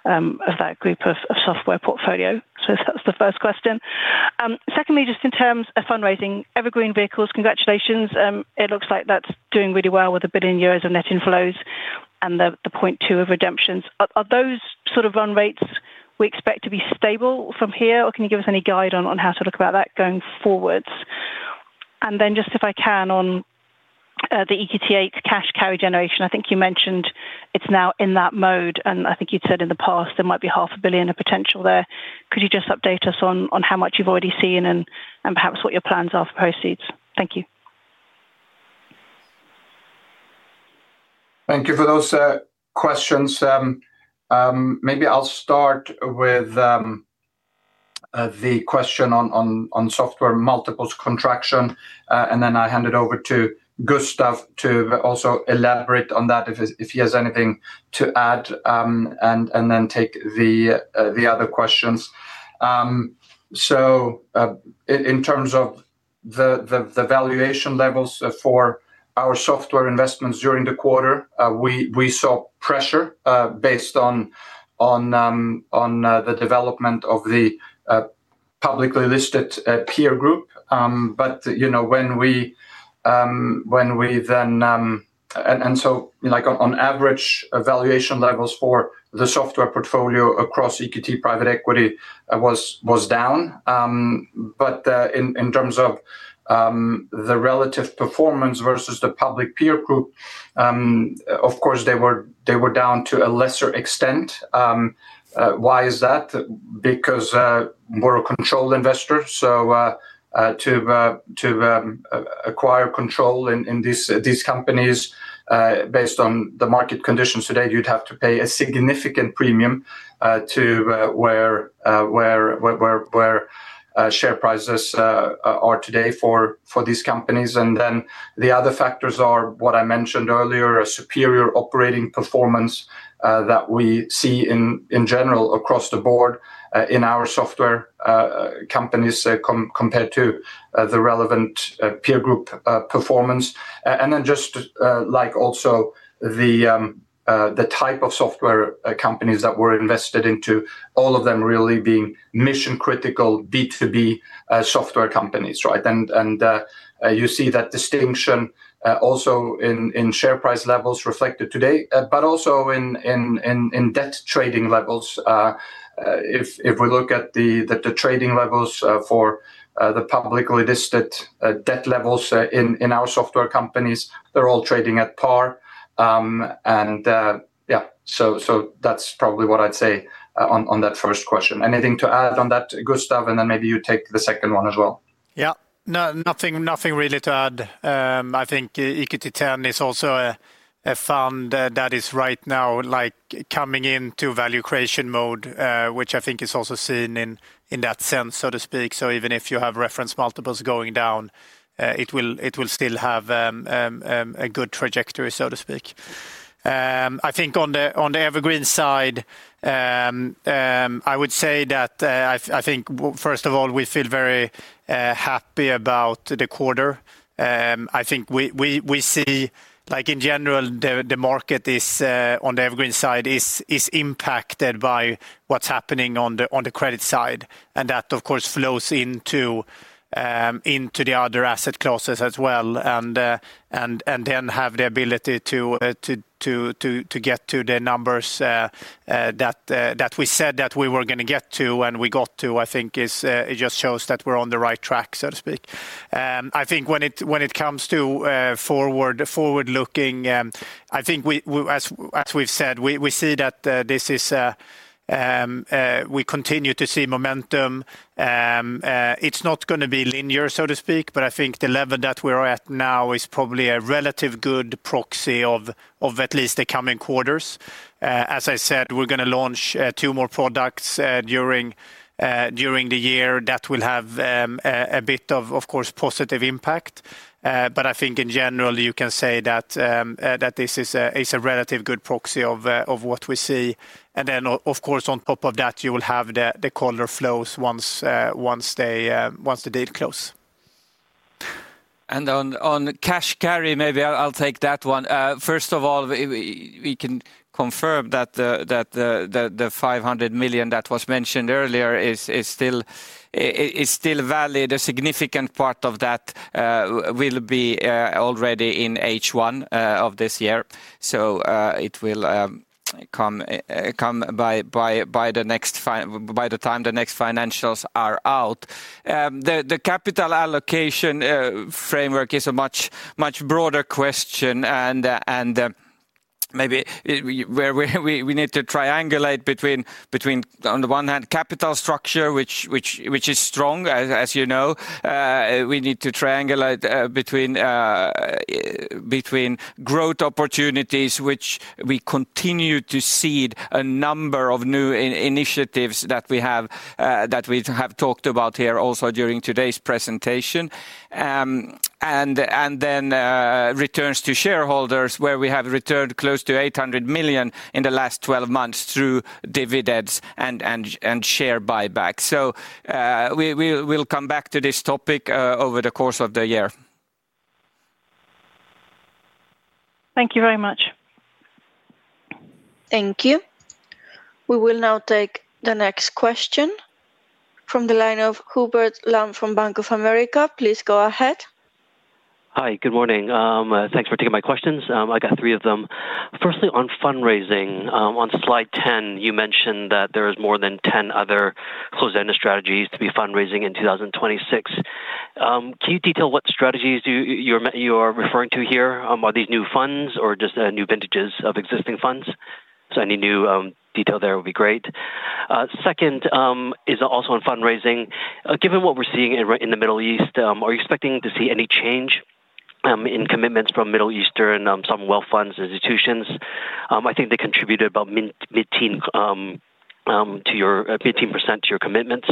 of that group of software portfolio? That's the first question. Secondly, just in terms of fundraising, evergreen vehicles, congratulations. It looks like that's doing really well with 1 billion euros of net inflows and the 0.2 billion of redemptions. Are those sort of run rates we expect to be stable from here, or can you give us any guide on how to think about that going forwards? Just if I can, on the EQT VIII carry generation, I think you mentioned it's now in that mode, and I think you'd said in the past there might be EUR half a billion of potential there. Could you just update us on how much you've already seen and perhaps what your plans are for proceeds? Thank you. Thank you for those questions. Maybe I'll start with the question on software multiples contraction, and then I hand it over to Gustav to also elaborate on that if he has anything to add, and then take the other questions. In terms of the valuation levels for our software investments during the quarter, we saw pressure based on the development of the publicly listed peer group. On average valuation levels for the software portfolio across EQT private equity was down. In terms of the relative performance versus the public peer group, of course, they were down to a lesser extent. Why is that? Because we're a control investor, so to acquire control in these companies based on the market conditions today, you'd have to pay a significant premium to where share prices are today for these companies. Then the other factors are what I mentioned earlier, a superior operating performance that we see in general across the board in our software companies compared to the relevant peer group performance. Just like also the type of software companies that we're invested into, all of them really being mission critical B2B software companies. You see that distinction also in share price levels reflected today, but also in debt trading levels. If we look at the trading levels for the publicly listed debt levels in our software companies, they're all trading at par. Yeah, so that's probably what I'd say on that first question. Anything to add on that, Gustav? Maybe you take the second one as well. Yeah. No, nothing really to add. I think EQT X is also a fund that is right now coming into value creation mode, which I think is also seen in that sense, so to speak. Even if you have reference multiples going down, it will still have a good trajectory, so to speak. I think on the evergreen side, I would say that I think, first of all, we feel very happy about the quarter. I think we see in general the market on the evergreen side is impacted by what's happening on the credit side, and that, of course, flows into the other asset classes as well. Then we have the ability to get to the numbers that we said that we were going to get to and we got to, I think it just shows that we're on the right track, so to speak. I think when it comes to forward-looking, I think as we've said, we continue to see momentum. It's not going to be linear, so to speak, but I think the level that we're at now is probably a relative good proxy of at least the coming quarters. As I said, we're going to launch two more products during the year that will have a bit of course, positive impact. But I think in general, you can say that this is a relative good proxy of what we see. Then of course, on top of that, you will have the Coller flows once the deal closes. On cash carry, maybe I'll take that one. First of all, we can confirm that the 500 million that was mentioned earlier is still valid. A significant part of that will be already in H1 of this year. It will come by the time the next financials are out. The capital allocation framework is a much broader question. Maybe we need to triangulate between, on the one hand, capital structure, which is strong as you know. We need to triangulate between growth opportunities, which we continue to seed a number of new initiatives that we have talked about here also during today's presentation, and then returns to shareholders where we have returned close to 800 million in the last 12 months through dividends and share buyback. We'll come back to this topic over the course of the year. Thank you very much. Thank you. We will now take the next question from the line of Hubert Lam from Bank of America. Please go ahead. Hi, good morning. Thanks for taking my questions. I got three of them. Firstly, on fundraising, on slide 10, you mentioned that there is more than 10 other closed-ended strategies to be fundraising in 2026. Can you detail what strategies you are referring to here? Are these new funds or just new vintages of existing funds? Any new detail there would be great. Second, is also on fundraising. Given what we're seeing in the Middle East, are you expecting to see any change in commitments from Middle Eastern sovereign wealth funds, institutions? I think they contributed about 15% to your commitments.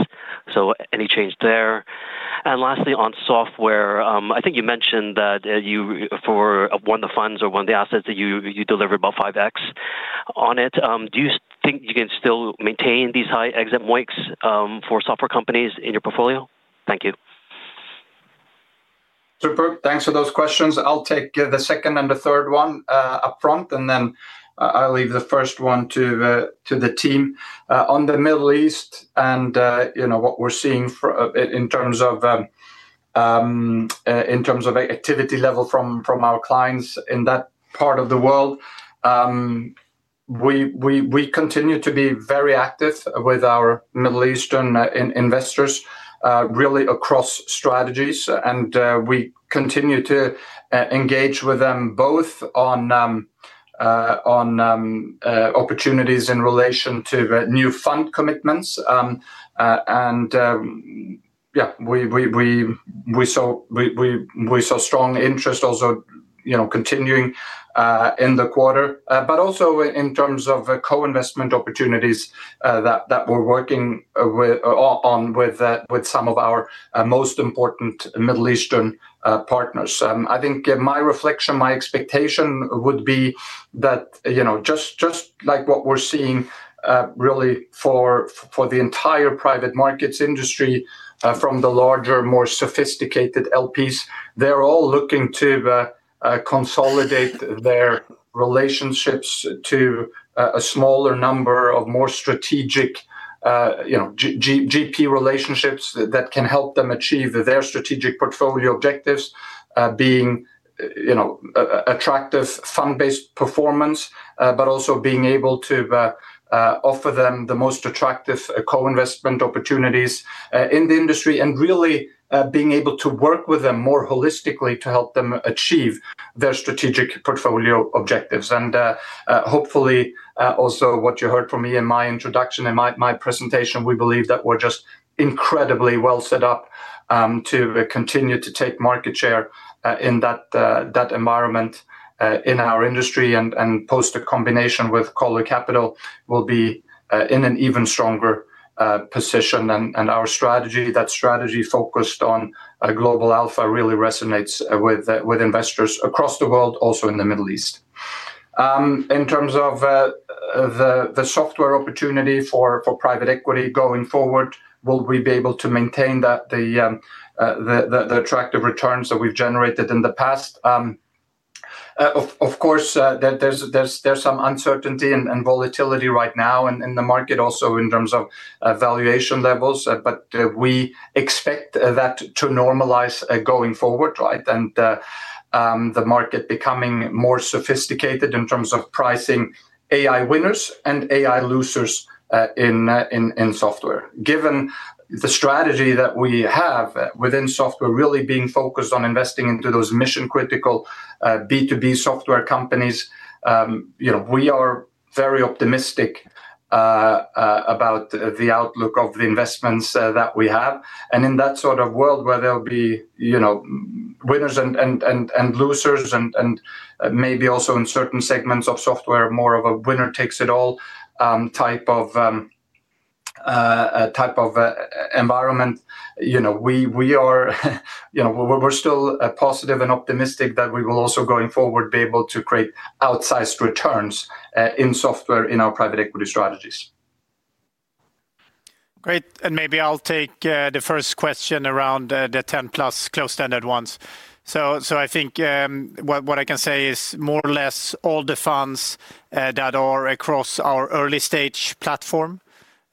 Any change there? Lastly, on software, I think you mentioned that for one of the funds or one of the assets that you delivered about 5x on it. Do you think you can still maintain these high exit MOICs for software companies in your portfolio? Thank you. Superb. Thanks for those questions. I'll take the second and the third one up front, and then I'll leave the first one to the team. On the Middle East and what we're seeing in terms of activity level from our clients in that part of the world, we continue to be very active with our Middle Eastern investors really across strategies. We continue to engage with them both on opportunities in relation to new fund commitments. Yeah, we saw strong interest also continuing in the quarter. Also in terms of co-investment opportunities that we're working on with some of our most important Middle Eastern partners. I think my reflection, my expectation would be that just like what we're seeing really for the entire private markets industry from the larger, more sophisticated LPs, they're all looking to consolidate their relationships to a smaller number of more strategic GP relationships that can help them achieve their strategic portfolio objectives, being attractive fund-based performance, but also being able to offer them the most attractive co-investment opportunities in the industry and really being able to work with them more holistically to help them achieve their strategic portfolio objectives. Hopefully also what you heard from me in my introduction, in my presentation, we believe that we're just incredibly well set up to continue to take market share in that environment in our industry and post-combination with Coller Capital will be in an even stronger position. Our strategy, that strategy focused on global alpha really resonates with investors across the world, also in the Middle East. In terms of the software opportunity for private equity going forward, will we be able to maintain the attractive returns that we've generated in the past? Of course, there's some uncertainty and volatility right now in the market also in terms of valuation levels. We expect that to normalize going forward, right? The market becoming more sophisticated in terms of pricing AI winners and AI losers in software. Given the strategy that we have within software really being focused on investing into those mission-critical B2B software companies, we are very optimistic about the outlook of the investments that we have. In that sort of world where there'll be winners and losers and maybe also in certain segments of software, more of a winner-takes-it-all type of environment. We're still positive and optimistic that we will also going forward, be able to create outsized returns in software in our private equity strategies. Great. Maybe I'll take the first question around the 10+ closed-ended ones. I think what I can say is more or less all the funds that are across our early stage platform.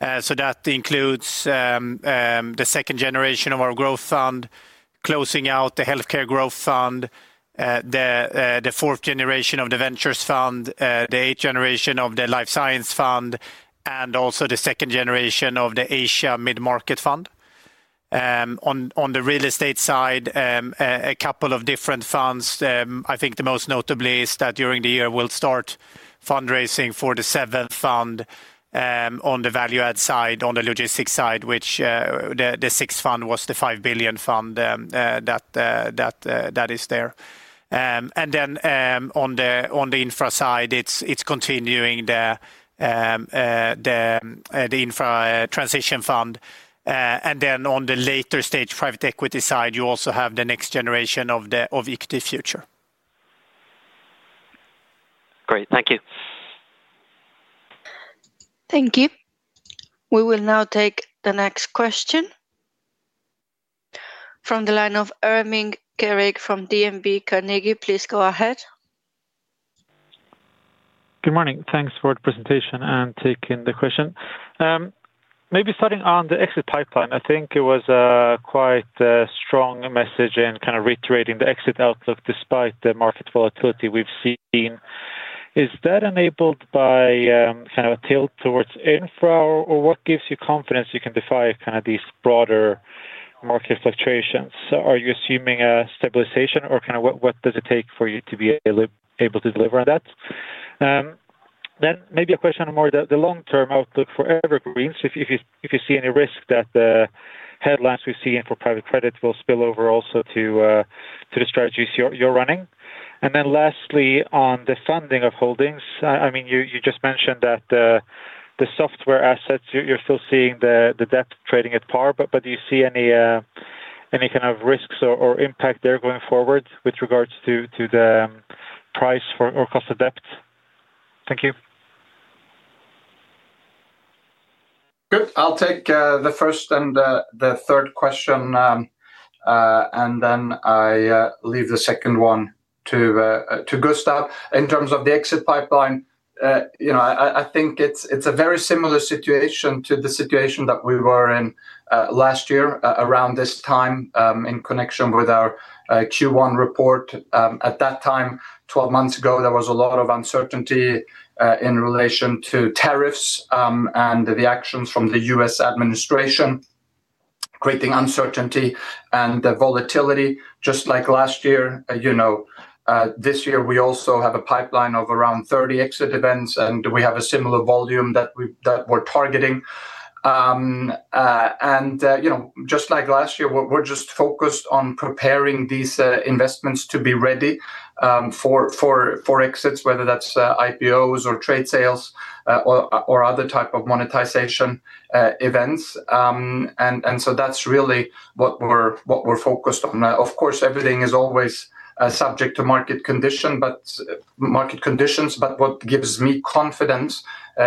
That includes the second generation of our growth fund closing out the healthcare growth fund, the fourth generation of the ventures fund, the eighth generation of the life science fund, and also the second generation of the Asia mid-market fund. On the real estate side a couple of different funds. I think the most notable is that during the year we'll start fundraising for the seventh fund on the value-add side, on the logistics side, which, the sixth fund, was the $5 billion fund that is there. On the infra side it's continuing the infra transition fund. On the later stage private equity side, you also have the next generation of the EQT Future. Great. Thank you. Thank you. We will now take the next question from the line of Ermin Keric from DNB Carnegie. Please go ahead. Good morning. Thanks for the presentation and taking the question. Maybe starting on the exit pipeline, I think it was quite a strong message in kind of reiterating the exit outlook despite the market volatility we've seen. Is that enabled by kind of a tilt towards infra or what gives you confidence you can defy kind of these broader market fluctuations? Are you assuming a stabilization or what does it take for you to be able to deliver on that? Maybe a question on more the long-term outlook for evergreens. If you see any risk that the headlines we see in for private credit will spill over also to the strategies you're running. Lastly, on the funding of holdings. I mean, you just mentioned that the software assets you're still seeing the debt trading at par, but do you see any kind of risks or impact there going forward with regards to the price for or cost of debt? Thank you. Good. I'll take the first and the third question and then I leave the second one to Gustav. In terms of the exit pipeline, I think it's a very similar situation to the situation that we were in last year around this time in connection with our Q1 report. At that time, 12 months ago, there was a lot of uncertainty in relation to tariffs and the actions from the U.S. administration creating uncertainty and volatility just like last year. This year we also have a pipeline of around 30 exit events and we have a similar volume that we're targeting. Just like last year we're just focused on preparing these investments to be ready for exits, whether that's IPOs or trade sales or other type of monetization events. That's really what we're focused on. Of course, everything is always subject to market conditions, but what gives me confidence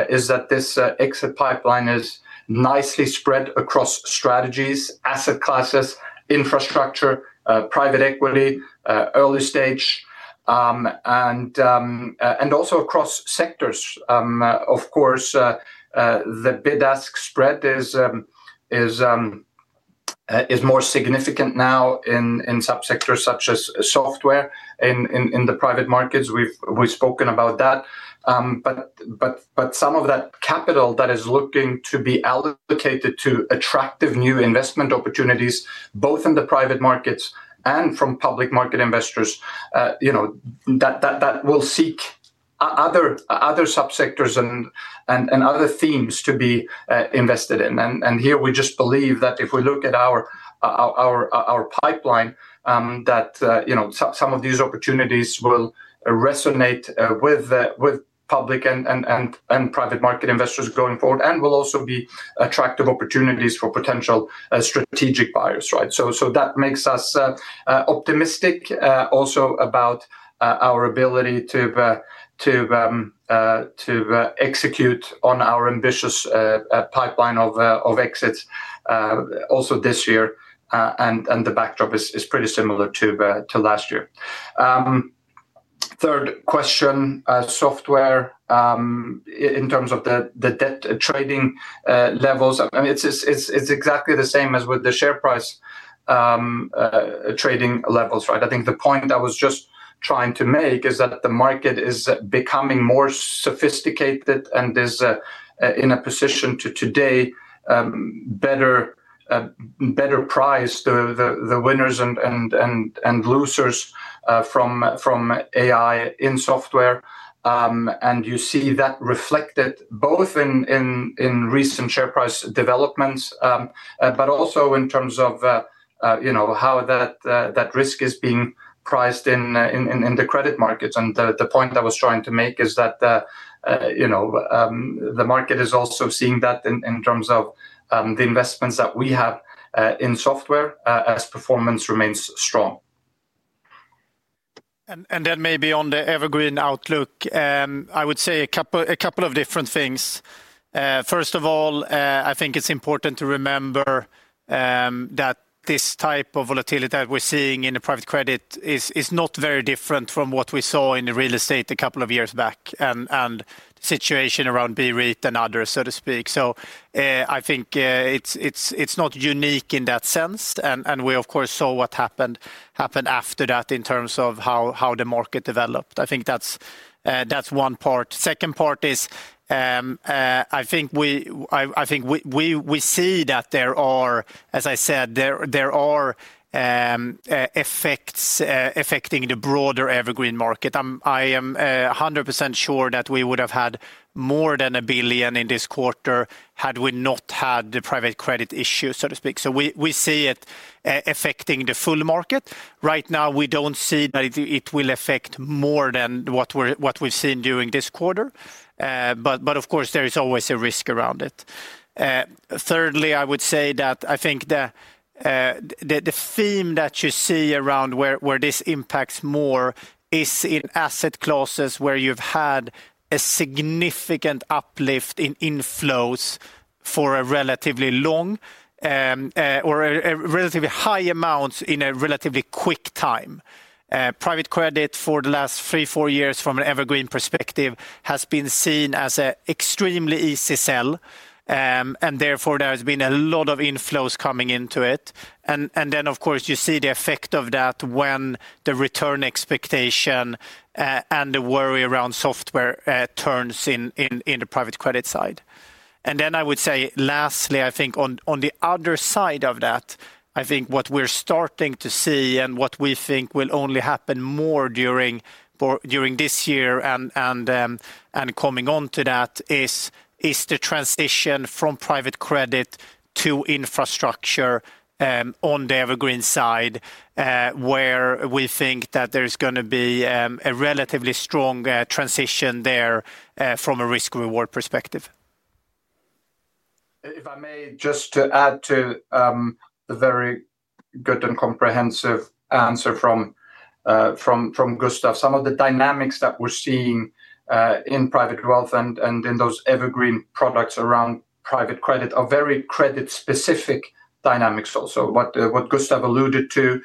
is that this exit pipeline is nicely spread across strategies, asset classes, infrastructure, private equity, early stage and also across sectors. Of course the bid-ask spread is more significant now in sub-sectors such as software in the private markets. We've spoken about that. Some of that capital that is looking to be allocated to attractive new investment opportunities, both in the private markets and from public market investors that will seek other sub-sectors and other themes to be invested in. Here we just believe that if we look at our pipeline that some of these opportunities will resonate with public and private market investors going forward and will also be attractive opportunities for potential strategic buyers, right? That makes us optimistic also about our ability to execute on our ambitious pipeline of exits also this year and the backdrop is pretty similar to last year. Third question, software in terms of the debt trading levels. It's exactly the same as with the share price trading levels. I think the point I was just trying to make is that the market is becoming more sophisticated and is in a position today to better price the winners and losers from AI in software. You see that reflected both in recent share price developments, but also in terms of how that risk is being priced in the credit markets. The point I was trying to make is that the market is also seeing that in terms of the investments that we have in software as performance remains strong. Then maybe on the evergreen outlook, I would say a couple of different things. First of all, I think it's important to remember that this type of volatility that we're seeing in the private credit is not very different from what we saw in real estate a couple of years back and the situation around BREIT and others, so to speak. I think it's not unique in that sense. We of course saw what happened after that in terms of how the market developed. I think that's one part. Second part is, I think we see that there are, as I said, effects affecting the broader evergreen market. I am 100% sure that we would have had more than 1 billion in this quarter had we not had the private credit issue, so to speak. We see it affecting the full market. Right now, we don't see that it will affect more than what we've seen during this quarter. Of course, there is always a risk around it. Thirdly, I would say that I think the theme that you see around where this impacts more is in asset classes where you've had a significant uplift in inflows for a relatively long, or a relatively high amount in a relatively quick time. Private credit for the last three or four years from an evergreen perspective has been seen as an extremely easy sell, and therefore there has been a lot of inflows coming into it. Of course you see the effect of that when the return expectation and the worry around softer returns in the private credit side. I would say lastly, I think on the other side of that, I think what we're starting to see and what we think will only happen more during this year and coming on to that is the transition from private credit to infrastructure on the evergreen side where we think that there's going to be a relatively strong transition there from a risk reward perspective. If I may just add to the very good and comprehensive answer from Gustav. Some of the dynamics that we're seeing in private wealth and in those evergreen products around private credit are very credit specific dynamics also. What Gustav alluded to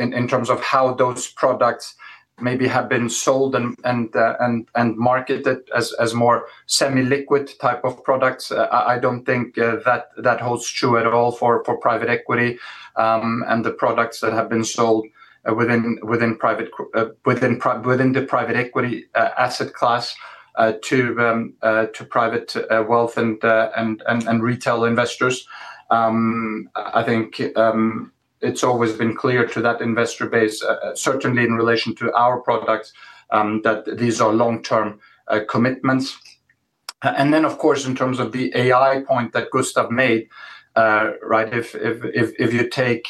in terms of how those products maybe have been sold and marketed as more semi-liquid type of products, I don't think that holds true at all for private equity and the products that have been sold within the private equity asset class to private wealth and retail investors. I think it's always been clear to that investor base, certainly in relation to our products, that these are long-term commitments. Then of course, in terms of the AI point that Gustav made, if you take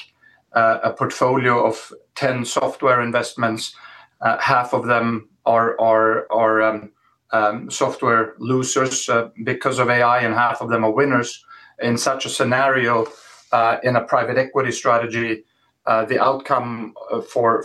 a portfolio of 10 software investments, half of them are software losers because of AI and half of them are winners. In such a scenario in a private equity strategy the outcome for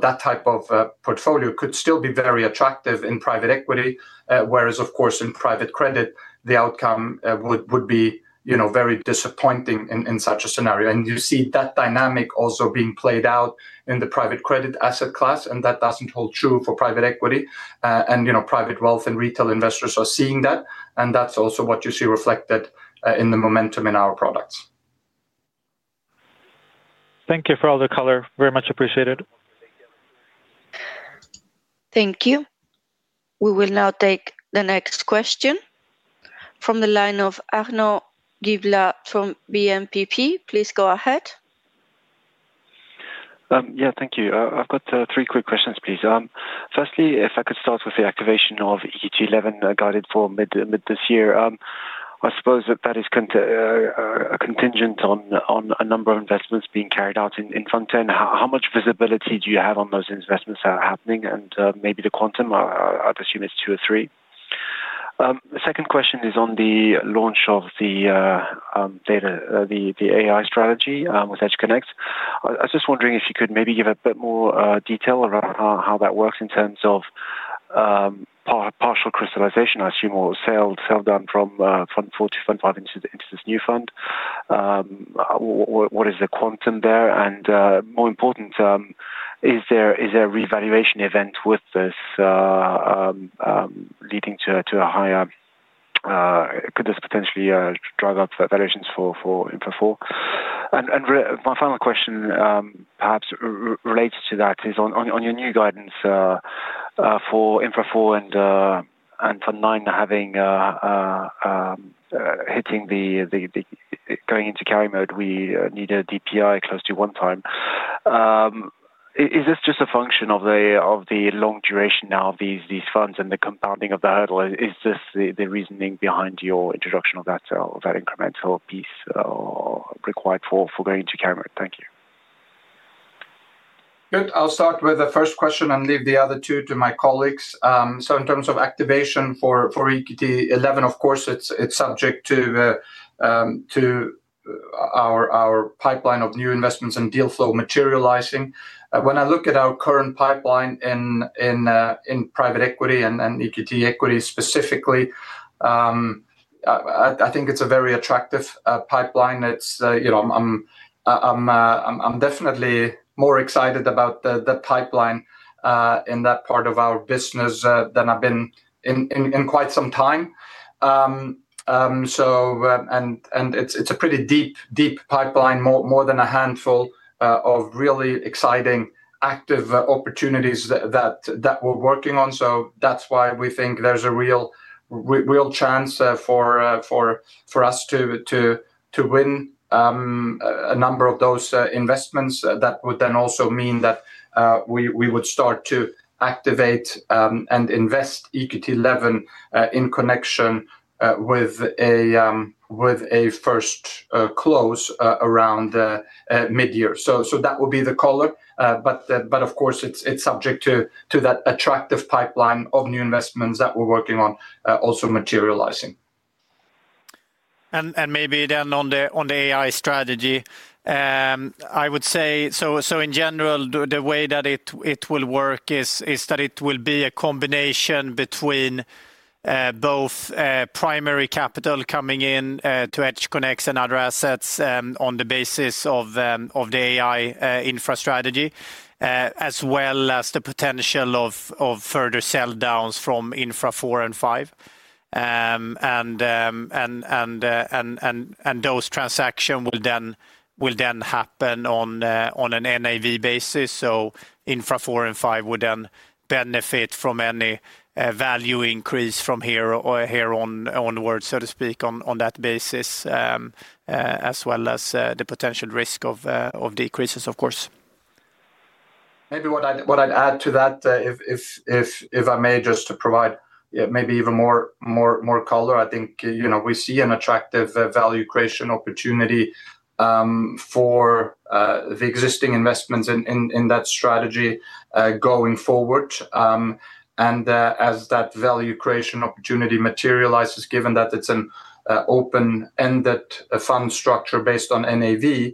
that type of portfolio could still be very attractive in private equity whereas of course in private credit the outcome would be very disappointing in such a scenario. You see that dynamic also being played out in the private credit asset class and that doesn't hold true for private equity and private wealth and retail investors are seeing that and that's also what you see reflected in the momentum in our products. Thank you for all the color. Very much appreciated. Thank you. We will now take the next question from the line of Arnaud Giblat from BNPP. Please go ahead. Yeah, thank you. I've got three quick questions, please. Firstly, if I could start with the activation of EQT XI guided for mid this year. I suppose that is a contingent on a number of investments being carried out in front end. How much visibility do you have on those investments that are happening and maybe the quantum? I'd assume it's two or three. The second question is on the launch of the AI strategy with EdgeConneX. I was just wondering if you could maybe give a bit more detail around how that works in terms of partial crystallization, I assume, or sell down from Fund IV to Fund V into this new fund. What is the quantum there? And more important, is there a revaluation event with this leading to a higher, could this potentially drive up the valuations for Infra IV? My final question, perhaps related to that is on your new guidance for Infra IV and Fund IX going into carry mode, we need a DPI close to one time. Is this just a function of the long duration now of these funds and the compounding of that? Or is this the reasoning behind your introduction of that incremental piece required for going to carry mode? Thank you. Good. I'll start with the first question and leave the other two to my colleagues. In terms of activation for EQT XI, of course, it's subject to our pipeline of new investments and deal flow materializing. When I look at our current pipeline in private equity and EQT specifically, I think it's a very attractive pipeline. I'm definitely more excited about the pipeline, in that part of our business than I've been in quite some time. It's a pretty deep pipeline, more than a handful of really exciting active opportunities that we're working on. That's why we think there's a real chance for us to win a number of those investments. That would then also mean that we would start to activate and invest EQT XI in connection with a first close around mid-year. That will be the color. Of course, it's subject to that attractive pipeline of new investments that we're working on also materializing. Maybe then on the AI strategy, I would say, so in general, the way that it will work is that it will be a combination between both primary capital coming in to EdgeConneX and other assets on the basis of the AI infra strategy, as well as the potential of further sell downs from Infra IV and V. Those transactions will then happen on an NAV basis. Infra IV and V would then benefit from any value increase from here onwards, so to speak, on that basis, as well as the potential risk of decreases, of course. Maybe what I'd add to that, if I may, just to provide maybe even more color, I think, we see an attractive value creation opportunity for the existing investments in that strategy going forward. As that value creation opportunity materializes, given that it's an open-ended fund structure based on NAV,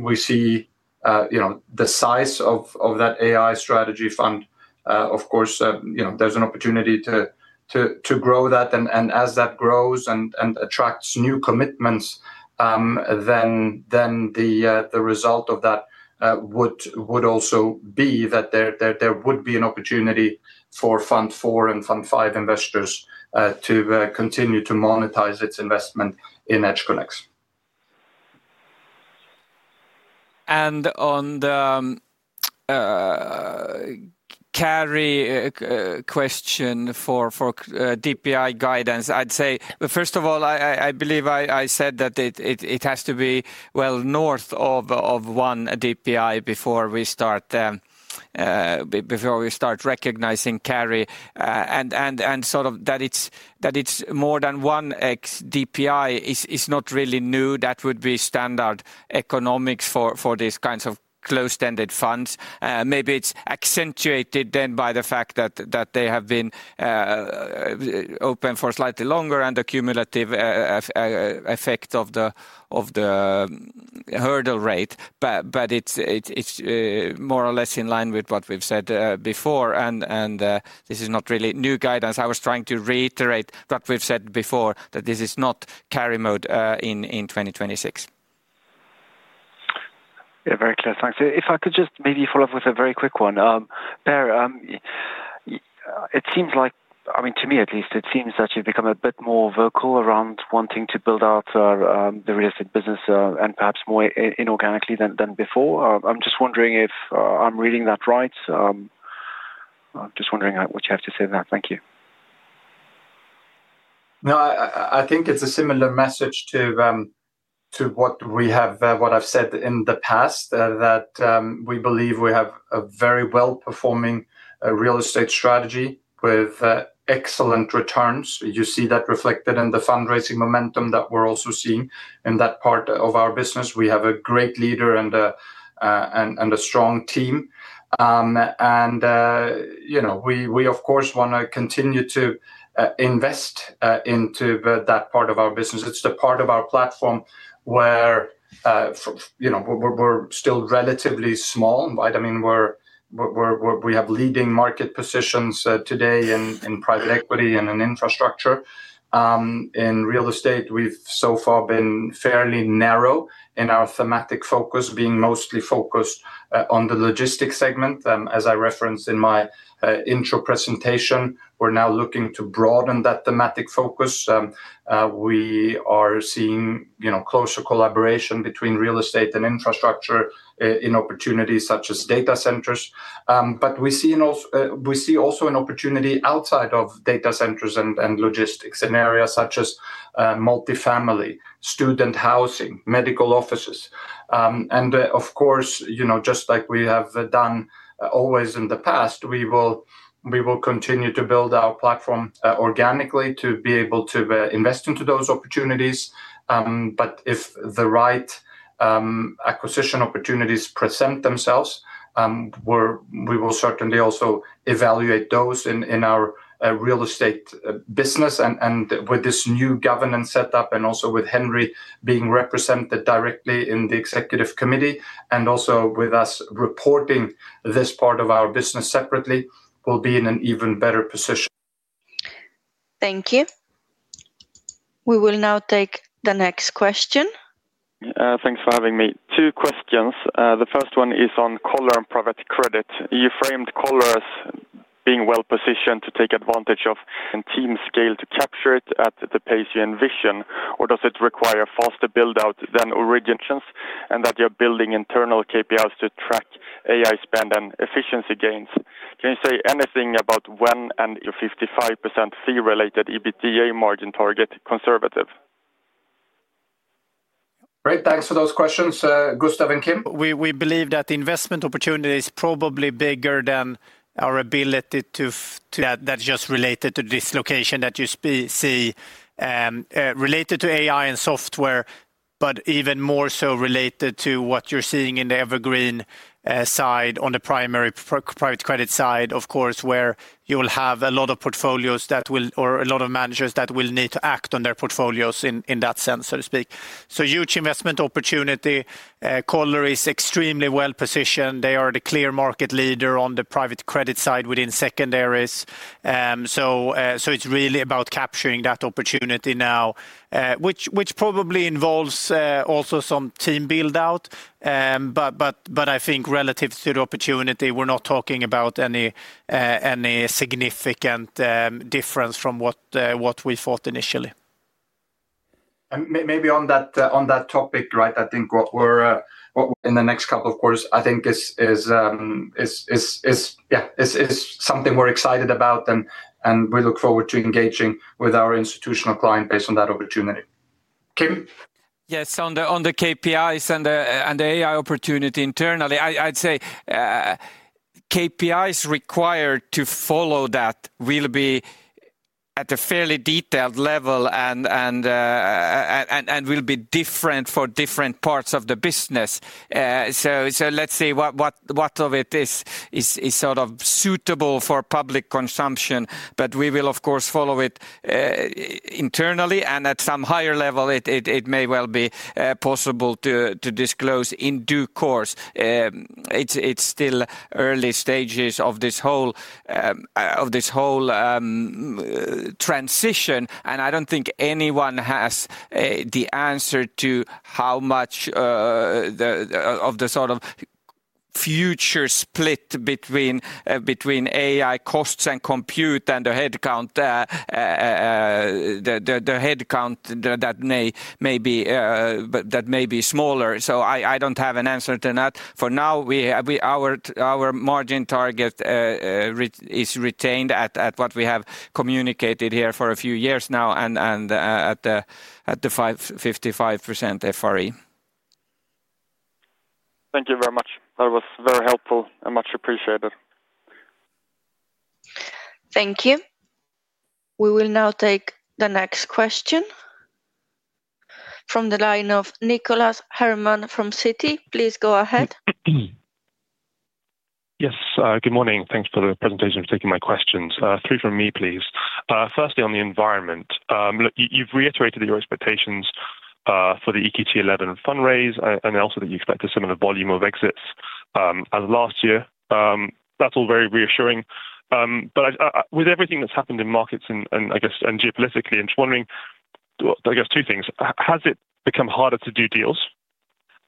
we see the size of that AI strategy fund, of course, there's an opportunity to grow that, and as that grows and attracts new commitments, then the result of that would also be that there would be an opportunity for Fund IV and Fund V investors to continue to monetize its investment in EdgeConneX. On the carry question for DPI guidance, I'd say, first of all, I believe I said that it has to be well north of one DPI before we start recognizing carry, and sort of that it's more than one X DPI is not really new. That would be standard economics for these kinds of close-ended funds. Maybe it's accentuated then by the fact that they have been open for slightly longer and the cumulative effect of the hurdle rate. It's more or less in line with what we've said before, and this is not really new guidance. I was trying to reiterate what we've said before, that this is not carry mode in 2026. Yeah, very clear. Thanks. If I could just maybe follow up with a very quick one. Per, it seems like, to me at least, it seems that you've become a bit more vocal around wanting to build out the real estate business and perhaps more inorganically than before. I'm just wondering if I'm reading that right. I'm just wondering what you have to say to that. Thank you. No, I think it's a similar message to what I've said in the past, that we believe we have a very well-performing real estate strategy with excellent returns. You see that reflected in the fundraising momentum that we're also seeing in that part of our business. We have a great leader and a strong team. We of course want to continue to invest into that part of our business. It's the part of our platform where we're still relatively small. We have leading market positions today in private equity and in infrastructure. In real estate, we've so far been fairly narrow in our thematic focus, being mostly focused on the logistics segment. As I referenced in my intro presentation, we're now looking to broaden that thematic focus. We are seeing closer collaboration between real estate and infrastructure in opportunities such as data centers. We see also an opportunity outside of data centers and logistics in areas such as multi-family, student housing, medical offices. Of course, just like we have done always in the past, we will continue to build our platform organically to be able to invest into those opportunities. If the right acquisition opportunities present themselves, we will certainly also evaluate those in our real estate business and with this new governance set up, and also with Henry being represented directly in the executive committee, and also with us reporting this part of our business separately, we'll be in an even better position. Thank you. We will now take the next question. Thanks for having me. Two questions. The first one is on Coller and private credit. You framed Coller being well-positioned to take advantage of team scale to capture it at the pace you envision, or does it require faster build-out than organic, and that you're building internal KPIs to track AI spend and efficiency gains? Can you say anything about when and your 55% Fee-related EBITDA margin target conservative? Great. Thanks for those questions, Gustav and Kim. We believe that the investment opportunity is probably bigger than our ability. That's just related to this location that you see related to AI and software, but even more so related to what you're seeing in the evergreen side, on the primary private credit side, of course, where you will have a lot of portfolios or a lot of managers that will need to act on their portfolios in that sense, so to speak. Huge investment opportunity. Coller is extremely well-positioned. They are the clear market leader on the private credit side within secondaries. It's really about capturing that opportunity now which probably involves also some team build-out. I think relative to the opportunity, we're not talking about any significant difference from what we thought initially. Maybe on that topic, I think, in the next couple of quarters, I think this is something we're excited about and we look forward to engaging with our institutional client base based on that opportunity. Kim? Yes. On the KPIs and the AI opportunity internally, I'd say KPIs required to follow that will be at a fairly detailed level and will be different for different parts of the business. Let's see what of it is sort of suitable for public consumption. We will, of course, follow it internally and at some higher level it may well be possible to disclose in due course. It's still early stages of this whole transition, and I don't think anyone has the answer to how much of the sort of future split between AI costs and compute and the headcount that may be smaller. I don't have an answer to that. For now, our margin target is retained at what we have communicated here for a few years now and at the 55% FRE. Thank you very much. That was very helpful and much appreciated. Thank you. We will now take the next question from the line of Nicholas Herman from Citi. Please go ahead. Yes. Good morning. Thanks for the presentation, for taking my questions. Three from me, please. Firstly, on the environment. You've reiterated your expectations for the EQT XI fundraise and also that you expected some of the volume of exits as last year. That's all very reassuring. With everything that's happened in markets and geopolitically, I'm just wondering, I guess two things. Has it become harder to do deals?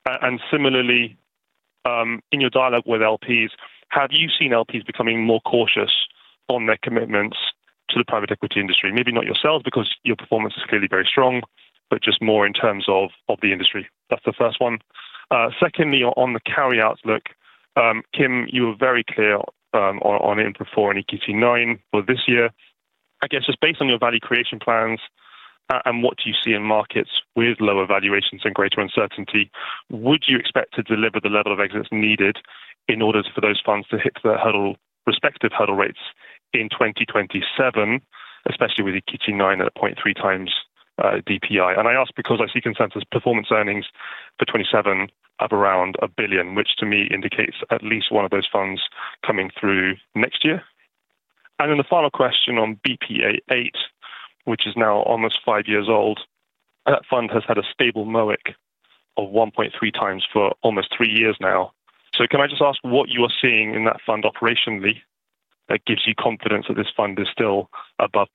And similarly, in your dialogue with LPs, have you seen LPs becoming more cautious on their commitments to the private equity industry? Maybe not yourself, because your performance is clearly very strong. Just more in terms of the industry. That's the first one. Secondly, on the carry outlook, Kim, you were very clear on Infra IV and EQT IX for this year. I guess just based on your value creation plans and what you see in markets with lower valuations and greater uncertainty, would you expect to deliver the level of exits needed in order for those funds to hit the respective hurdle rates in 2027, especially with EQT IX at a 0.3x DPI? I ask because I see consensus performance earnings for 2027 of around 1 billion, which to me indicates at least one of those funds coming through next year. The final question on BPEA VIII, which is now almost five years old, that fund has had a stable MOIC of 1.3x for almost three years now. Can I just ask what you are seeing in that fund operationally that gives you confidence that this fund is still above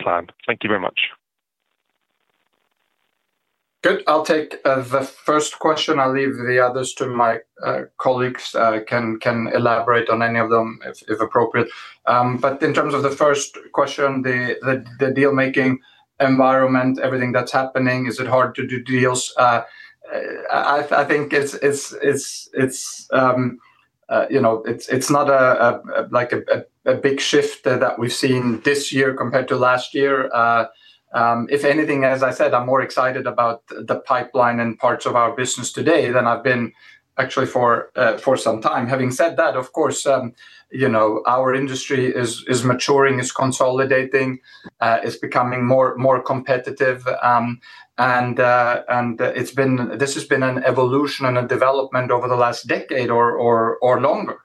plan? Thank you very much. Good. I'll take the first question, I'll leave the others to my colleagues, can elaborate on any of them if appropriate. But in terms of the first question, the deal-making environment, everything that's happening, is it hard to do deals? I think it's not a big shift that we've seen this year compared to last year. If anything, as I said, I'm more excited about the pipeline and parts of our business today than I've been actually for some time. Having said that, of course, our industry is maturing, is consolidating, is becoming more competitive. This has been an evolution and a development over the last decade or longer,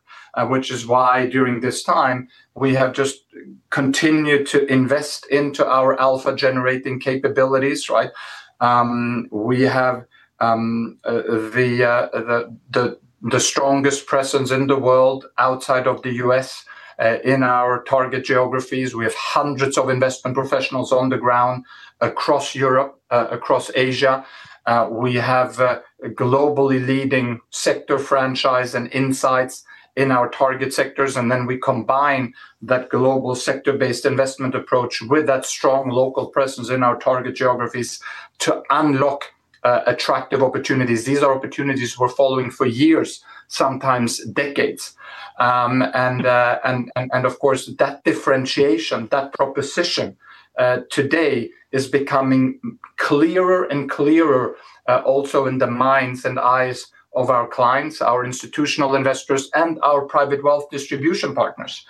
which is why during this time, we have just continued to invest into our alpha-generating capabilities, right? We have the strongest presence in the world outside of the U.S. in our target geographies. We have hundreds of investment professionals on the ground across Europe, across Asia. We have a globally leading sector franchise and insights in our target sectors. Then we combine that global sector-based investment approach with that strong local presence in our target geographies to unlock attractive opportunities. These are opportunities we're following for years, sometimes decades. Of course, that differentiation, that proposition, today is becoming clearer and clearer, also in the minds and eyes of our clients, our institutional investors, and our private wealth distribution partners.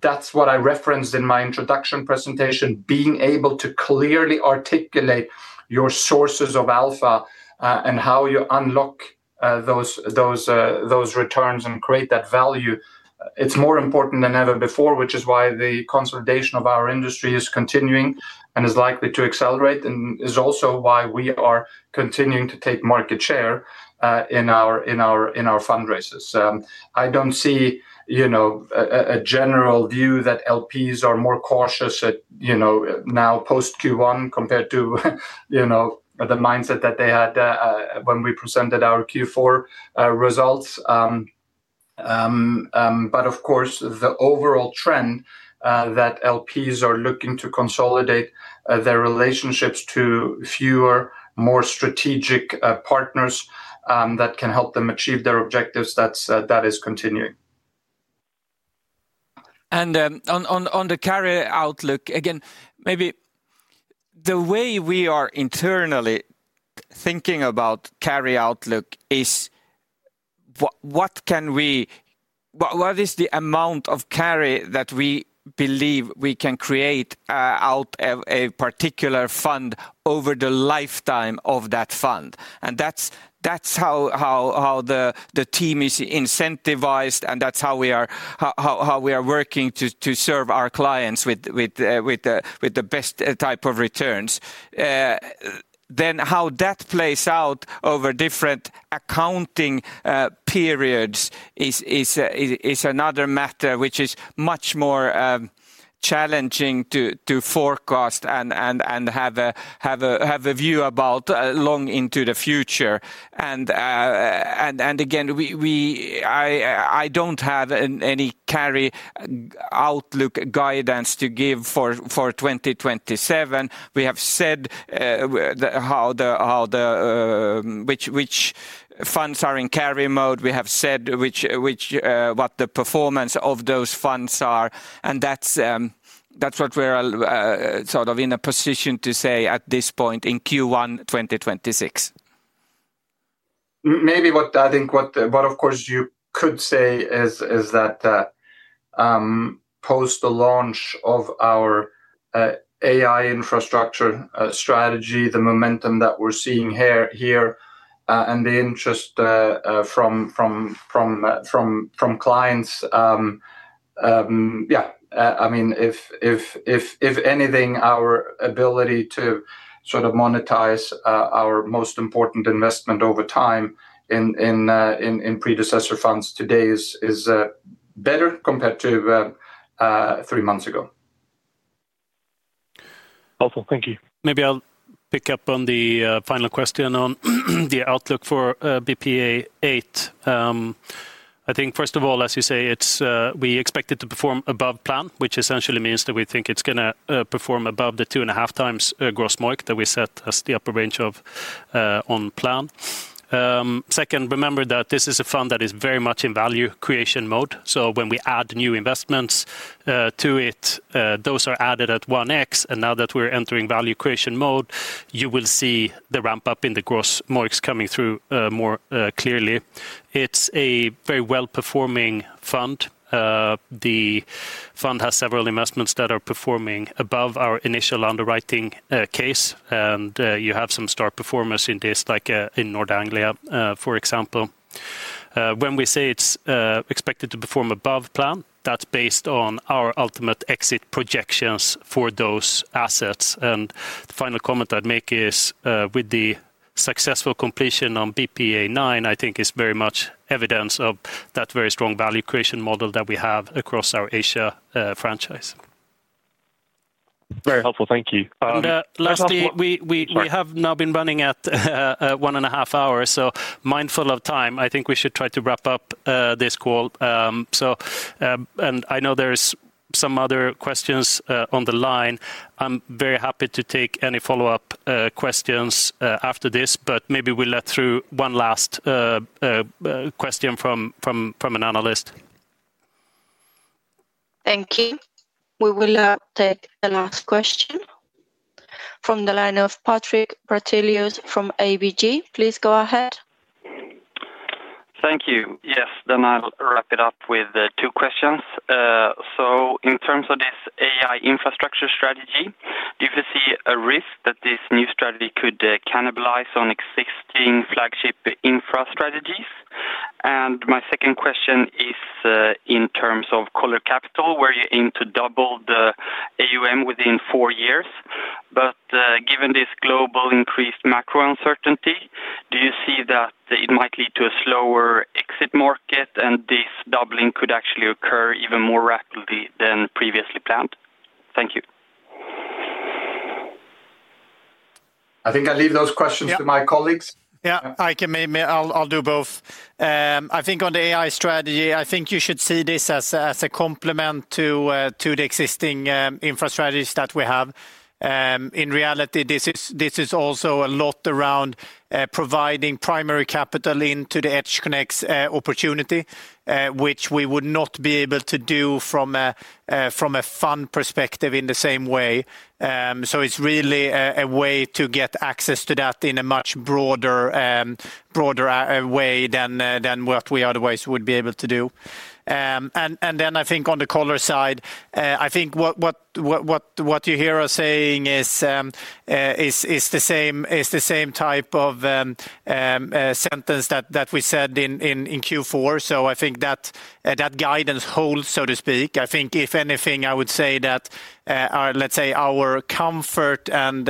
That's what I referenced in my introduction presentation, being able to clearly articulate your sources of alpha, and how you unlock those returns and create that value. It's more important than ever before, which is why the consolidation of our industry is continuing and is likely to accelerate, and is also why we are continuing to take market share in our fundraisers. I don't see a general view that LPs are more cautious now post Q1 compared to the mindset that they had when we presented our Q4 results. Of course, the overall trend, that LPs are looking to consolidate their relationships to fewer, more strategic partners that can help them achieve their objectives, that is continuing. On the carry outlook, again, maybe the way we are internally thinking about carry outlook is what is the amount of carry that we believe we can create out of a particular fund over the lifetime of that fund? That's how the team is incentivized and that's how we are working to serve our clients with the best type of returns. How that plays out over different accounting periods is another matter which is much more challenging to forecast and have a view about long into the future. I don't have any carry outlook guidance to give for 2027. We have said which funds are in carry mode. We have said what the performance of those funds are, and that's what we're in a position to say at this point in Q1 2026. Maybe what of course you could say is that post the launch of our AI Infrastructure, the momentum that we're seeing here and the interest from clients. If anything, our ability to monetize our most important investment over time in predecessor funds today is better compared to three months ago. Awesome. Thank you. Maybe I'll pick up on the final question on the outlook for BPEA VIII. I think first of all, as you say, we expect it to perform above plan, which essentially means that we think it's going to perform above the 2.5x gross MOIC that we set as the upper range on plan. Second, remember that this is a fund that is very much in value creation mode. So when we add new investments to it, those are added at 1x. And now that we're entering value creation mode, you will see the ramp up in the gross MOICs coming through more clearly. It's a very well-performing fund. The fund has several investments that are performing above our initial underwriting case. And you have some star performers in this, like in Nord Anglia, for example. When we say it's expected to perform above plan, that's based on our ultimate exit projections for those assets. The final comment I'd make is, with the successful completion on BPEA IX, I think is very much evidence of that very strong value creation model that we have across our Asia franchise. Very helpful. Thank you. Lastly, we have now been running at one and a half hours. Mindful of time, I think we should try to wrap up this call. I know there's some other questions on the line. I'm very happy to take any follow-up questions after this, but maybe we'll let through one last question from an analyst. Thank you. We will take the last question from the line of Patrik Brattelius from ABG. Please go ahead. Thank you. Yes. I'll wrap it up with two questions. In terms of this EQT AI Infrastructure strategy, do you foresee a risk that this new strategy could cannibalize on existing flagship infra strategies? My second question is, in terms of Coller Capital, were you aiming to double the AUM within four years? Given this global increased macro uncertainty, do you see that it might lead to a slower exit market and this doubling could actually occur even more rapidly than previously planned? Thank you. I think I leave those questions to my colleagues. Yeah, I'll do both. I think on the AI strategy, I think you should see this as a complement to the existing infra strategies that we have. In reality, this is also a lot around providing primary capital into the EdgeConneX opportunity, which we would not be able to do from a fund perspective in the same way. It's really a way to get access to that in a much broader way than what we otherwise would be able to do. I think on the Coller side, I think what you hear us saying is the same type of sentence that we said in Q4. I think that guidance holds, so to speak. I think if anything, I would say that our comfort and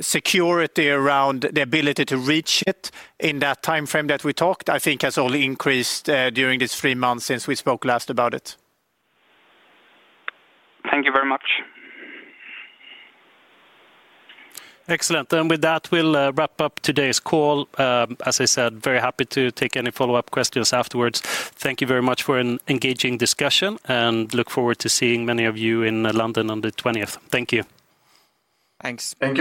security around the ability to reach it in that timeframe that we talked, I think has only increased during these three months since we spoke last about it. Thank you very much. Excellent. With that, we'll wrap up today's call. As I said, very happy to take any follow-up questions afterwards. Thank you very much for an engaging discussion, and I look forward to seeing many of you in London on the 20th. Thank you. Thanks. Thank you